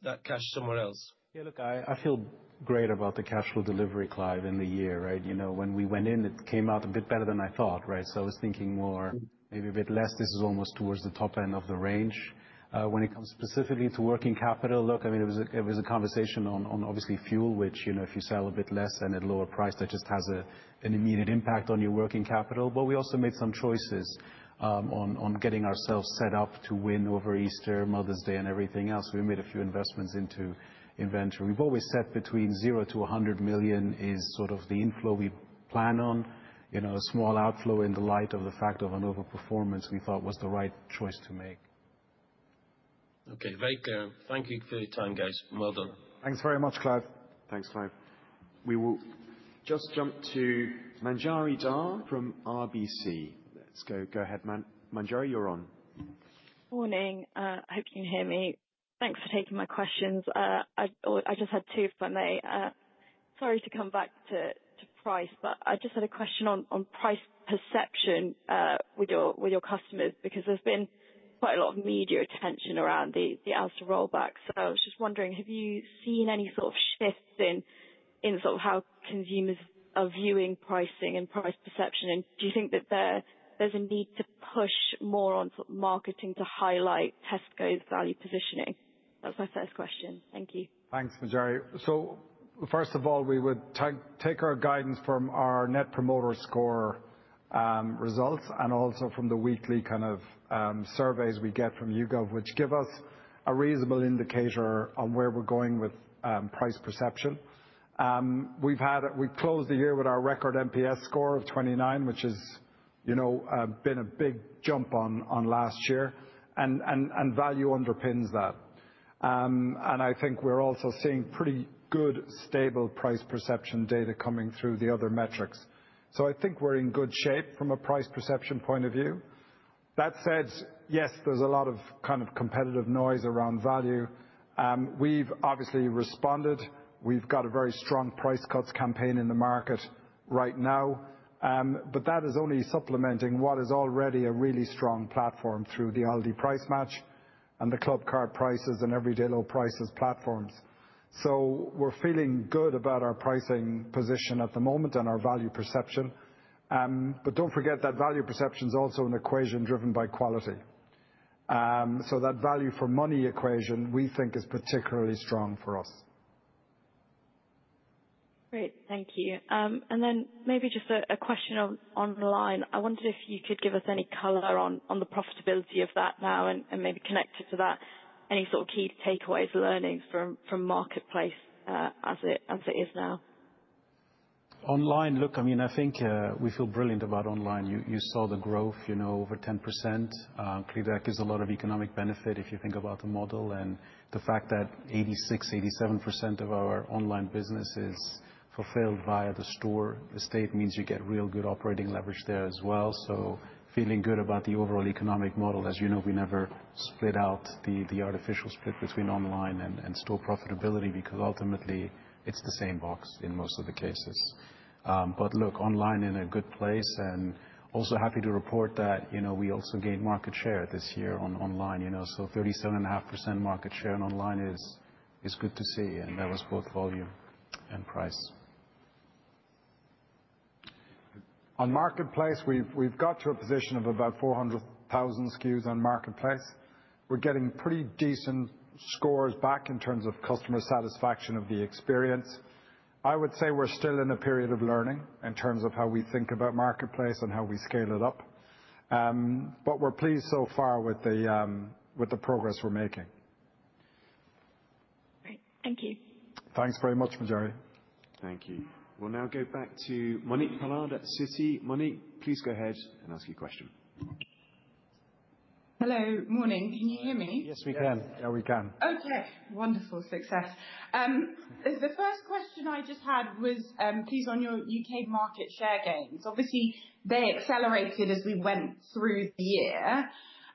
that cash somewhere else? Yeah, look, I feel great about the cash flow delivery, Clive, in the year, right? When we went in, it came out a bit better than I thought, right? So I was thinking more maybe a bit less. This is almost towards the top end of the range. When it comes specifically to working capital, look, I mean, it was a conversation on obviously fuel, which if you sell a bit less and at lower price, that just has an immediate impact on your working capital. But we also made some choices on getting ourselves set up to win over Easter, Mother's Day, and everything else. We made a few investments into inventory. We've always said between £0-£100 million is sort of the inflow we plan on. A small outflow in the light of the fact of an overperformance we thought was the right choice to make. Okay, very clear. Thank you for your time, guys. Well done. Thanks very much, Clive. Thanks, Clive. We will just jump to Manjari Dhar from RBC. Let's go. Go ahead, Manjari. You're on. Morning. I hope you can hear me. Thanks for taking my questions. I just had two if I may. Sorry to come back to price, but I just had a question on price perception with your customers because there's been quite a lot of media attention around the Asda rollback. So I was just wondering, have you seen any sort of shift in sort of how consumers are viewing pricing and price perception? And do you think that there's a need to push more on marketing to highlight Tesco's value positioning? That was my first question. Thank you. Thanks, Manjari. First of all, we would take our guidance from our Net Promoter Score results and also from the weekly kind of surveys we get from YouGov, which give us a reasonable indicator on where we're going with price perception. We've closed the year with our record NPS score of 29, which has been a big jump on last year, and value underpins that. I think we're also seeing pretty good stable price perception data coming through the other metrics. I think we're in good shape from a price perception point of view. That said, yes, there's a lot of kind of competitive noise around value. We've obviously responded. We've got a very strong price cuts campaign in the market right now, but that is only supplementing what is already a really strong platform through the Aldi Price Match and the Clubcard Prices and everyday low prices platforms. So we're feeling good about our pricing position at the moment and our value perception. But don't forget that value perception is also an equation driven by quality. So that value for money equation, we think, is particularly strong for us. Great. Thank you. And then maybe just a question online. I wondered if you could give us any color on the profitability of that now and maybe connect it to that. Any sort of key takeaways, learnings from marketplace as it is now? Online, look, I mean, I think we feel brilliant about online. You saw the growth over 10%. Clearly, there's a lot of economic benefit if you think about the model. And the fact that 86%, 87% of our online business is fulfilled via the store estate means you get real good operating leverage there as well. So feeling good about the overall economic model. As you know, we never split out the artificial split between online and store profitability because ultimately it's the same box in most of the cases. But look, online in a good place. And also happy to report that we also gained market share this year online. So 37.5% market share online is good to see. And that was both volume and price. On marketplace, we've got to a position of about 400,000 SKUs on marketplace. We're getting pretty decent scores back in terms of customer satisfaction of the experience. I would say we're still in a period of learning in terms of how we think about marketplace and how we scale it up. But we're pleased so far with the progress we're making. Great. Thank you. Thanks very much, Manjari. Thank you. We'll now go back to Monique Pollard at Citi. Monique, please go ahead and ask your question. Hello. Morning. Can you hear me? Yes, we can. Yeah, we can. Okay. Wonderful. Success. The first question I just had was, please, on your UK market share gains. Obviously, they accelerated as we went through the year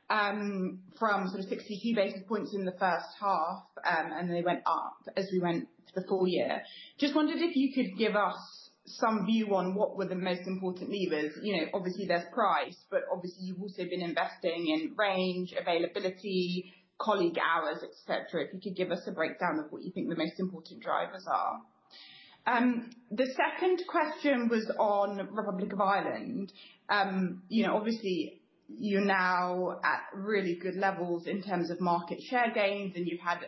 from sort of 62 basis points in the first half, and they went up as we went to the full year. Just wondered if you could give us some view on what were the most important levers. Obviously, there's price, but obviously, you've also been investing in range, availability, colleague hours, etc. If you could give us a breakdown of what you think the most important drivers are. The second question was on Republic of Ireland. Obviously, you're now at really good levels in terms of market share gains, and you've had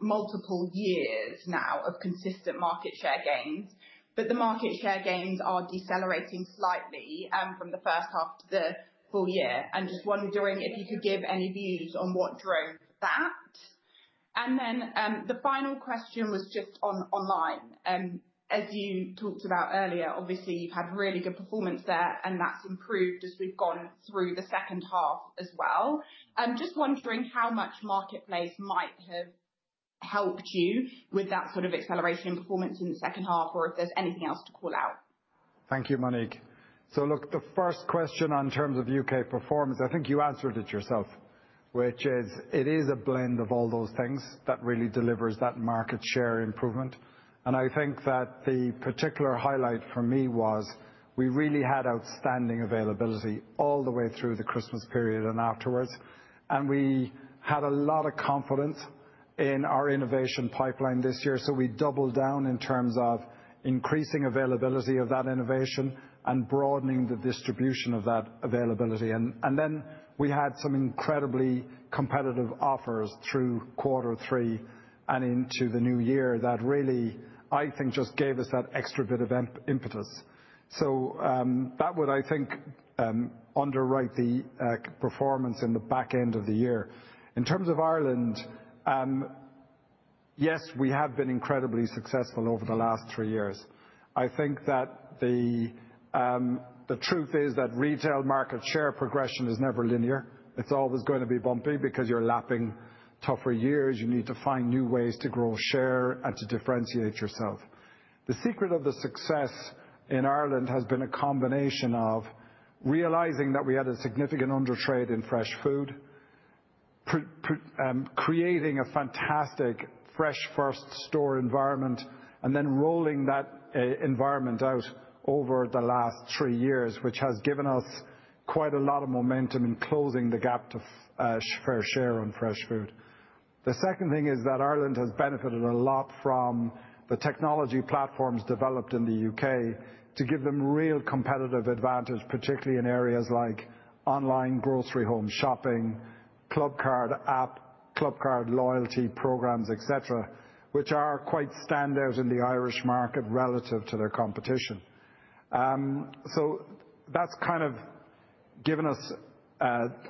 multiple years now of consistent market share gains. But the market share gains are decelerating slightly from the first half to the full year. And just wondering if you could give any views on what drove that. And then the final question was just online. As you talked about earlier, obviously, you've had really good performance there, and that's improved as we've gone through the second half as well. Just wondering how much marketplace might have helped you with that sort of acceleration in performance in the second half, or if there's anything else to call out. Thank you, Monique. So look, the first question in terms of U.K. performance, I think you answered it yourself, which is it is a blend of all those things that really delivers that market share improvement. And I think that the particular highlight for me was we really had outstanding availability all the way through the Christmas period and afterwards. We had a lot of confidence in our innovation pipeline this year. So we doubled down in terms of increasing availability of that innovation and broadening the distribution of that availability. And then we had some incredibly competitive offers through quarter three and into the new year that really, I think, just gave us that extra bit of impetus. So that would, I think, underwrite the performance in the back end of the year. In terms of Ireland, yes, we have been incredibly successful over the last three years. I think that the truth is that retail market share progression is never linear. It's always going to be bumpy because you're lapping tougher years. You need to find new ways to grow share and to differentiate yourself. The secret of the success in Ireland has been a combination of realizing that we had a significant undertrade in fresh food, creating a fantastic fresh first store environment, and then rolling that environment out over the last three years, which has given us quite a lot of momentum in closing the gap to fair share on fresh food. The second thing is that Ireland has benefited a lot from the technology platforms developed in the U.K. to give them real competitive advantage, particularly in areas like online grocery home shopping, Clubcard app, Clubcard loyalty programs, etc., which are quite standout in the Irish market relative to their competition. So that's kind of given us,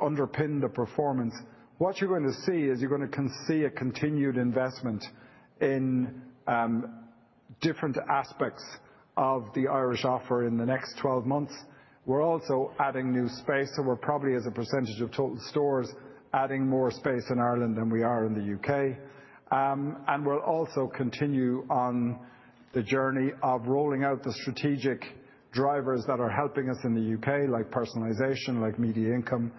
underpinned the performance. What you're going to see is you're going to see a continued investment in different aspects of the Irish offer in the next 12 months. We're also adding new space. We're probably, as a percentage of total stores, adding more space in Ireland than we are in the UK. We'll also continue on the journey of rolling out the strategic drivers that are helping us in the UK, like personalization, like media income.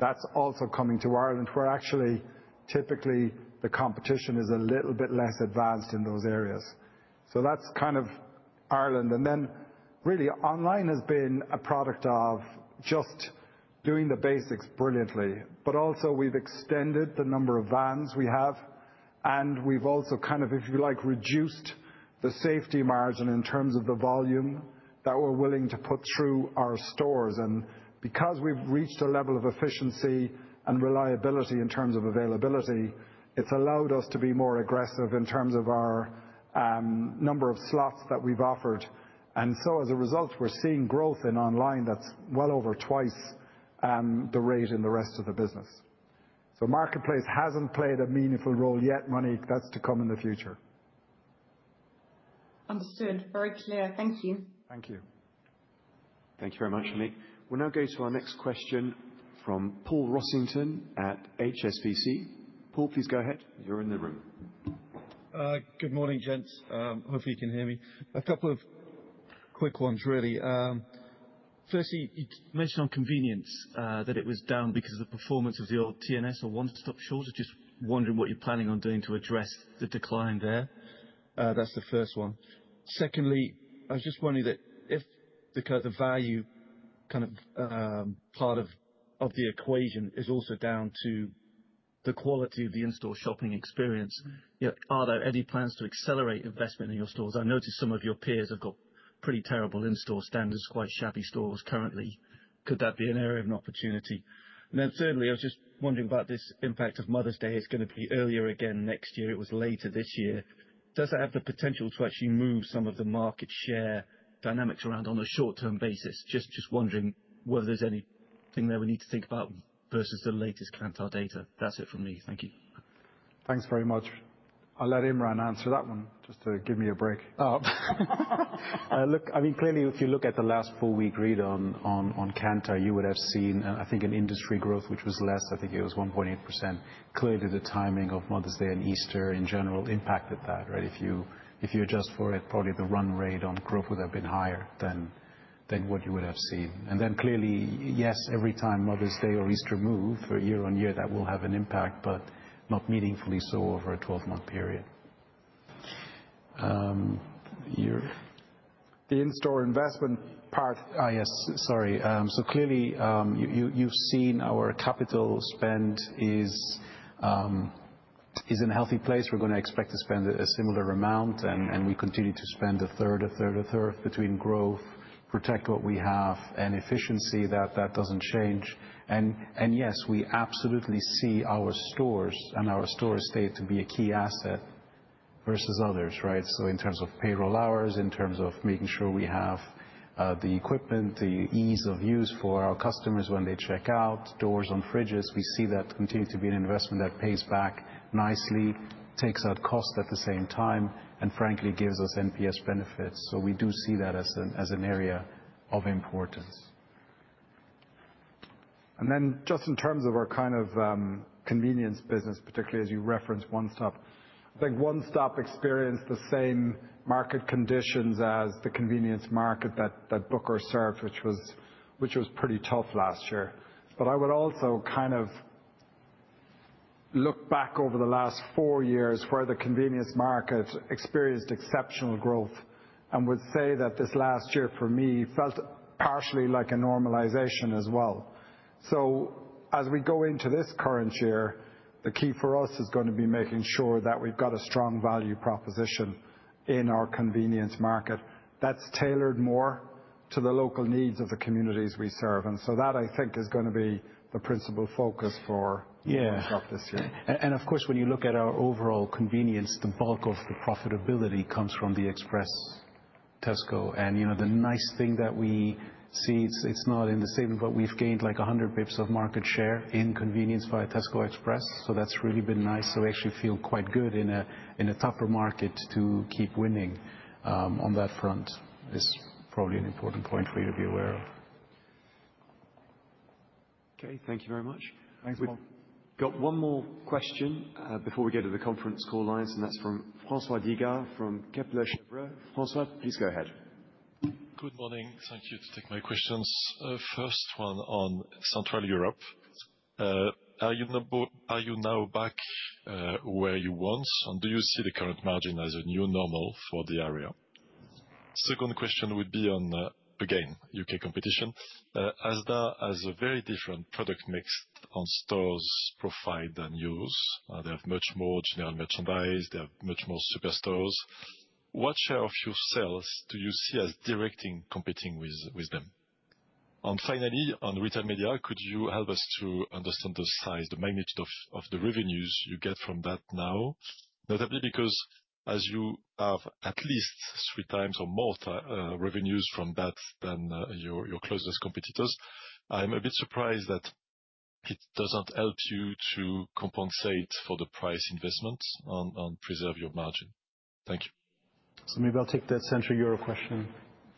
That's also coming to Ireland, where actually typically the competition is a little bit less advanced in those areas. That's kind of Ireland. Then really online has been a product of just doing the basics brilliantly. Also we've extended the number of vans we have, and we've also kind of, if you like, reduced the safety margin in terms of the volume that we're willing to put through our stores. Because we've reached a level of efficiency and reliability in terms of availability, it's allowed us to be more aggressive in terms of our number of slots that we've offered. And so as a result, we're seeing growth in online that's well over twice the rate in the rest of the business. So marketplace hasn't played a meaningful role yet, Monique. That's to come in the future. Understood. Very clear. Thank you. Thank you. Thank you very much, Monique. We'll now go to our next question from Paul Rossington at HSBC. Paul, please go ahead. You're in the room. Good morning, gents. Hopefully, you can hear me. A couple of quick ones, really. Firstly, you mentioned on convenience that it was down because of the performance of the owned ones or One Stop stores. Just wondering what you're planning on doing to address the decline there. That's the first one. Secondly, I was just wondering that if the kind of the value kind of part of the equation is also down to the quality of the in-store shopping experience, are there any plans to accelerate investment in your stores? I noticed some of your peers have got pretty terrible in-store standards, quite shabby stores currently. Could that be an area of an opportunity? And then thirdly, I was just wondering about this impact of Mother's Day. It's going to be earlier again next year. It was later this year. Does it have the potential to actually move some of the market share dynamics around on a short-term basis? Just wondering whether there's anything there we need to think about versus the latest Kantar data. That's it for me. Thank you. Thanks very much. I'll let Imran answer that one just to give me a break. Look, I mean, clearly, if you look at the last full week read on Kantar, you would have seen, I think, an industry growth, which was less. I think it was 1.8%. Clearly, the timing of Mother's Day and Easter in general impacted that, right? If you adjust for it, probably the run rate on growth would have been higher than what you would have seen. And then clearly, yes, every time Mother's Day or Easter move year on year, that will have an impact, but not meaningfully so over a 12-month period. The in-store investment part. Yes, sorry. So clearly, you've seen our capital spend is in a healthy place. We're going to expect to spend a similar amount, and we continue to spend a third, a third, a third between growth, protect what we have, and efficiency. That doesn't change. Yes, we absolutely see our stores and our store estate to be a key asset versus others, right? In terms of payroll hours, in terms of making sure we have the equipment, the ease of use for our customers when they check out, doors on fridges, we see that continue to be an investment that pays back nicely, takes out costs at the same time, and frankly, gives us NPS benefits. We do see that as an area of importance. And then, just in terms of our kind of convenience business, particularly as you referenced One Stop, I think One Stop experienced the same market conditions as the convenience market that Booker served, which was pretty tough last year. But I would also kind of look back over the last four years where the convenience market experienced exceptional growth and would say that this last year for me felt partially like a normalization as well. So as we go into this current year, the key for us is going to be making sure that we've got a strong value proposition in our convenience market that's tailored more to the local needs of the communities we serve. And so that, I think, is going to be the principal focus for One Stop this year. And of course, when you look at our overall convenience, the bulk of the profitability comes from the Tesco Express. And the nice thing that we see, it's not in the same way, but we've gained like 100 basis points of market share in convenience via Tesco Express. So that's really been nice. So we actually feel quite good in a tougher market to keep winning on that front is probably an important point for you to be aware of. Okay. Thank you very much. Thanks, Paul. We've got one more question before we go to the conference call lines, and that's from François Digard from Kepler Cheuvreux. François, please go ahead. Good morning. Thank you for taking my questions. First one on Central Europe. Are you now back where you were? And do you see the current margin as a new normal for the area? Second question would be on, again, U.K. competition. Asda has a very different product mix on stores provided than yours. They have much more general merchandise. They have much more superstores. What share of your sales do you see as directly competing with them? And finally, on retail media, could you help us to understand the size, the magnitude of the revenues you get from that now? Notably, because as you have at least three times or more revenues from that than your closest competitors, I'm a bit surprised that it doesn't help you to compensate for the price investments and preserve your margin. Thank you. So maybe I'll take that Central Europe question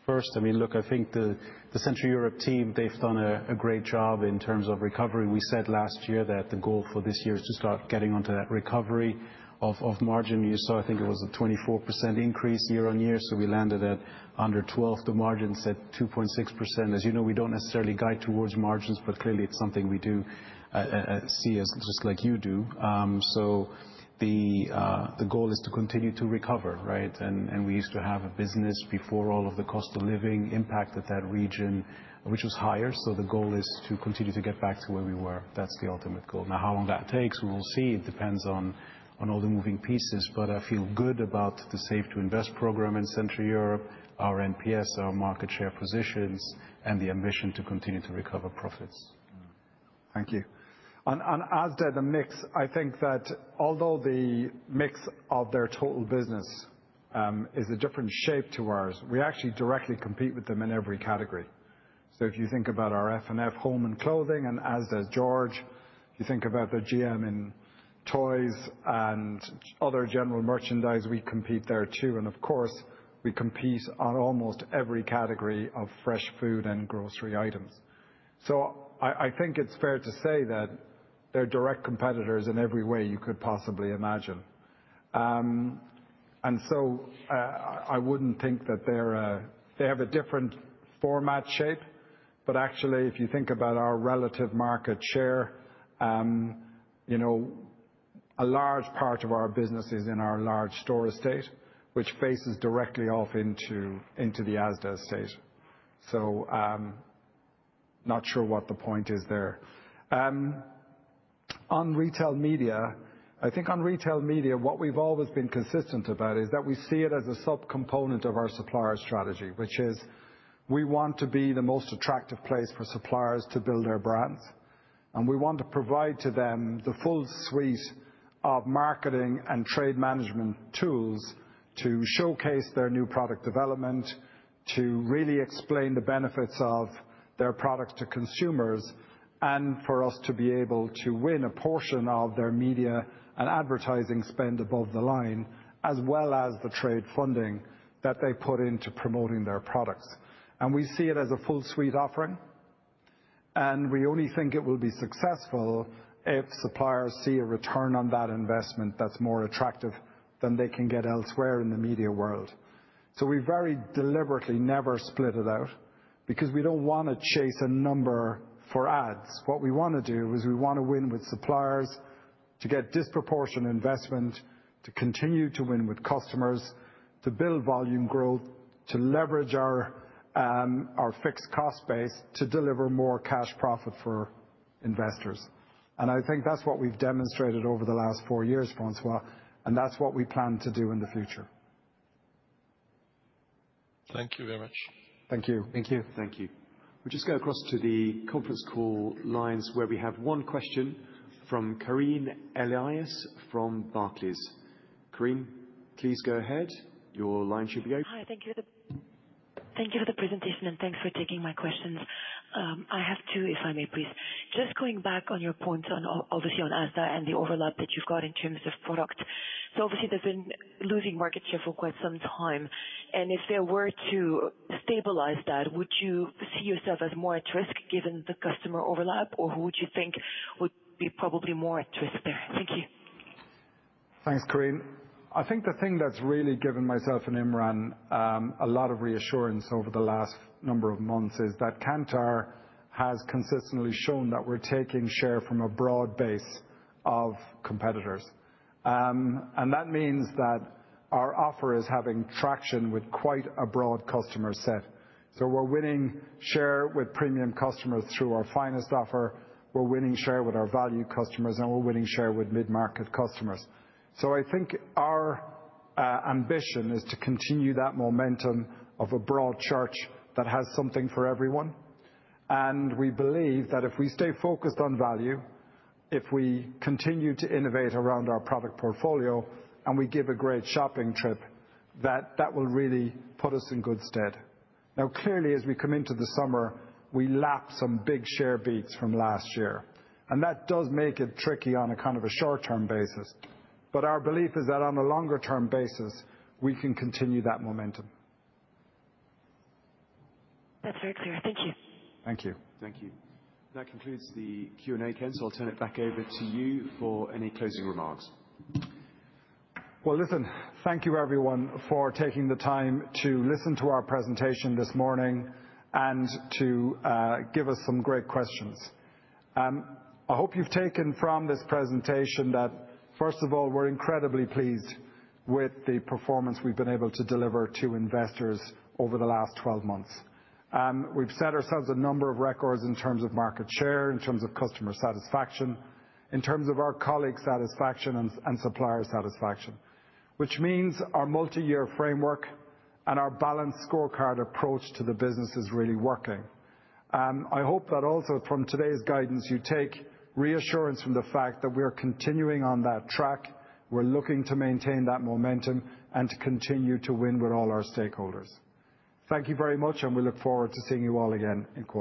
first. I mean, look, I think the Central Europe team, they've done a great job in terms of recovery. We said last year that the goal for this year is to start getting onto that recovery of margin. You saw, I think it was a 24% increase year on year. So we landed at under 12. The margin said 2.6%. As you know, we don't necessarily guide towards margins, but clearly it's something we do see as just like you do. So the goal is to continue to recover, right? And we used to have a business before all of the cost of living impacted that region, which was higher. So the goal is to continue to get back to where we were. That's the ultimate goal. Now, how long that takes, we will see. It depends on all the moving pieces. But I feel good about the Save to Invest program in Central Europe, our NPS, our market share positions, and the ambition to continue to recover profits. Thank you. And Asda is a mix. I think that although the mix of their total business is a different shape to ours, we actually directly compete with them in every category. So if you think about our F&F Home and Clothing and Asda's George, if you think about their GM in toys and other general merchandise, we compete there too. And of course, we compete on almost every category of fresh food and grocery items. So I think it's fair to say that they're direct competitors in every way you could possibly imagine. And so I wouldn't think that they have a different format shape. But actually, if you think about our relative market share, a large part of our business is in our large store estate, which faces directly off into the Asda estate. So not sure what the point is there. On retail media, I think on retail media, what we've always been consistent about is that we see it as a subcomponent of our supplier strategy, which is we want to be the most attractive place for suppliers to build their brands. And we want to provide to them the full suite of marketing and trade management tools to showcase their new product development, to really explain the benefits of their products to consumers, and for us to be able to win a portion of their media and advertising spend above the line, as well as the trade funding that they put into promoting their products. And we see it as a full suite offering. And we only think it will be successful if suppliers see a return on that investment that's more attractive than they can get elsewhere in the media world. So we very deliberately never split it out because we don't want to chase a number for ads. What we want to do is we want to win with suppliers to get disproportionate investment, to continue to win with customers, to build volume growth, to leverage our fixed cost base to deliver more cash profit for investors. And I think that's what we've demonstrated over the last four years, François, and that's what we plan to do in the future. Thank you very much. Thank you. Thank you. Thank you. We'll just go across to the conference call lines where we have one question from Karine Elias from Barclays. Karine, please go ahead. Your line should be open. Hi. Thank you for the presentation and thanks for taking my questions. I have two, if I may, please. Just going back on your points on, obviously, on Asda and the overlap that you've got in terms of product. So obviously, they've been losing market share for quite some time. And if there were to stabilize that, would you see yourself as more at risk given the customer overlap, or who would you think would be probably more at risk there? Thank you. Thanks, Karine. I think the thing that's really given myself and Imran a lot of reassurance over the last number of months is that Kantar has consistently shown that we're taking share from a broad base of competitors. And that means that our offer is having traction with quite a broad customer set. So we're winning share with premium customers through our finest offer. We're winning share with our value customers, and we're winning share with mid-market customers. So I think our ambition is to continue that momentum of a broad church that has something for everyone. And we believe that if we stay focused on value, if we continue to innovate around our product portfolio, and we give a great shopping trip, that that will really put us in good stead. Now, clearly, as we come into the summer, we lap some big share beats from last year. And that does make it tricky on a kind of a short-term basis. But our belief is that on a longer-term basis, we can continue that momentum. That's very clear. Thank you. Thank you. Thank you. That concludes the Q&A again. So I'll turn it back over to you for any closing remarks. Well, listen, thank you, everyone, for taking the time to listen to our presentation this morning and to give us some great questions. I hope you've taken from this presentation that, first of all, we're incredibly pleased with the performance we've been able to deliver to investors over the last 12 months. We've set ourselves a number of records in terms of market share, in terms of customer satisfaction, in terms of our colleagues' satisfaction and supplier satisfaction, which means our multi-year framework and our balanced scorecard approach to the business is really working. I hope that also from today's guidance, you take reassurance from the fact that we're continuing on that track. We're looking to maintain that momentum and to continue to win with all our stakeholders. Thank you very much, and we look forward to seeing you all again in.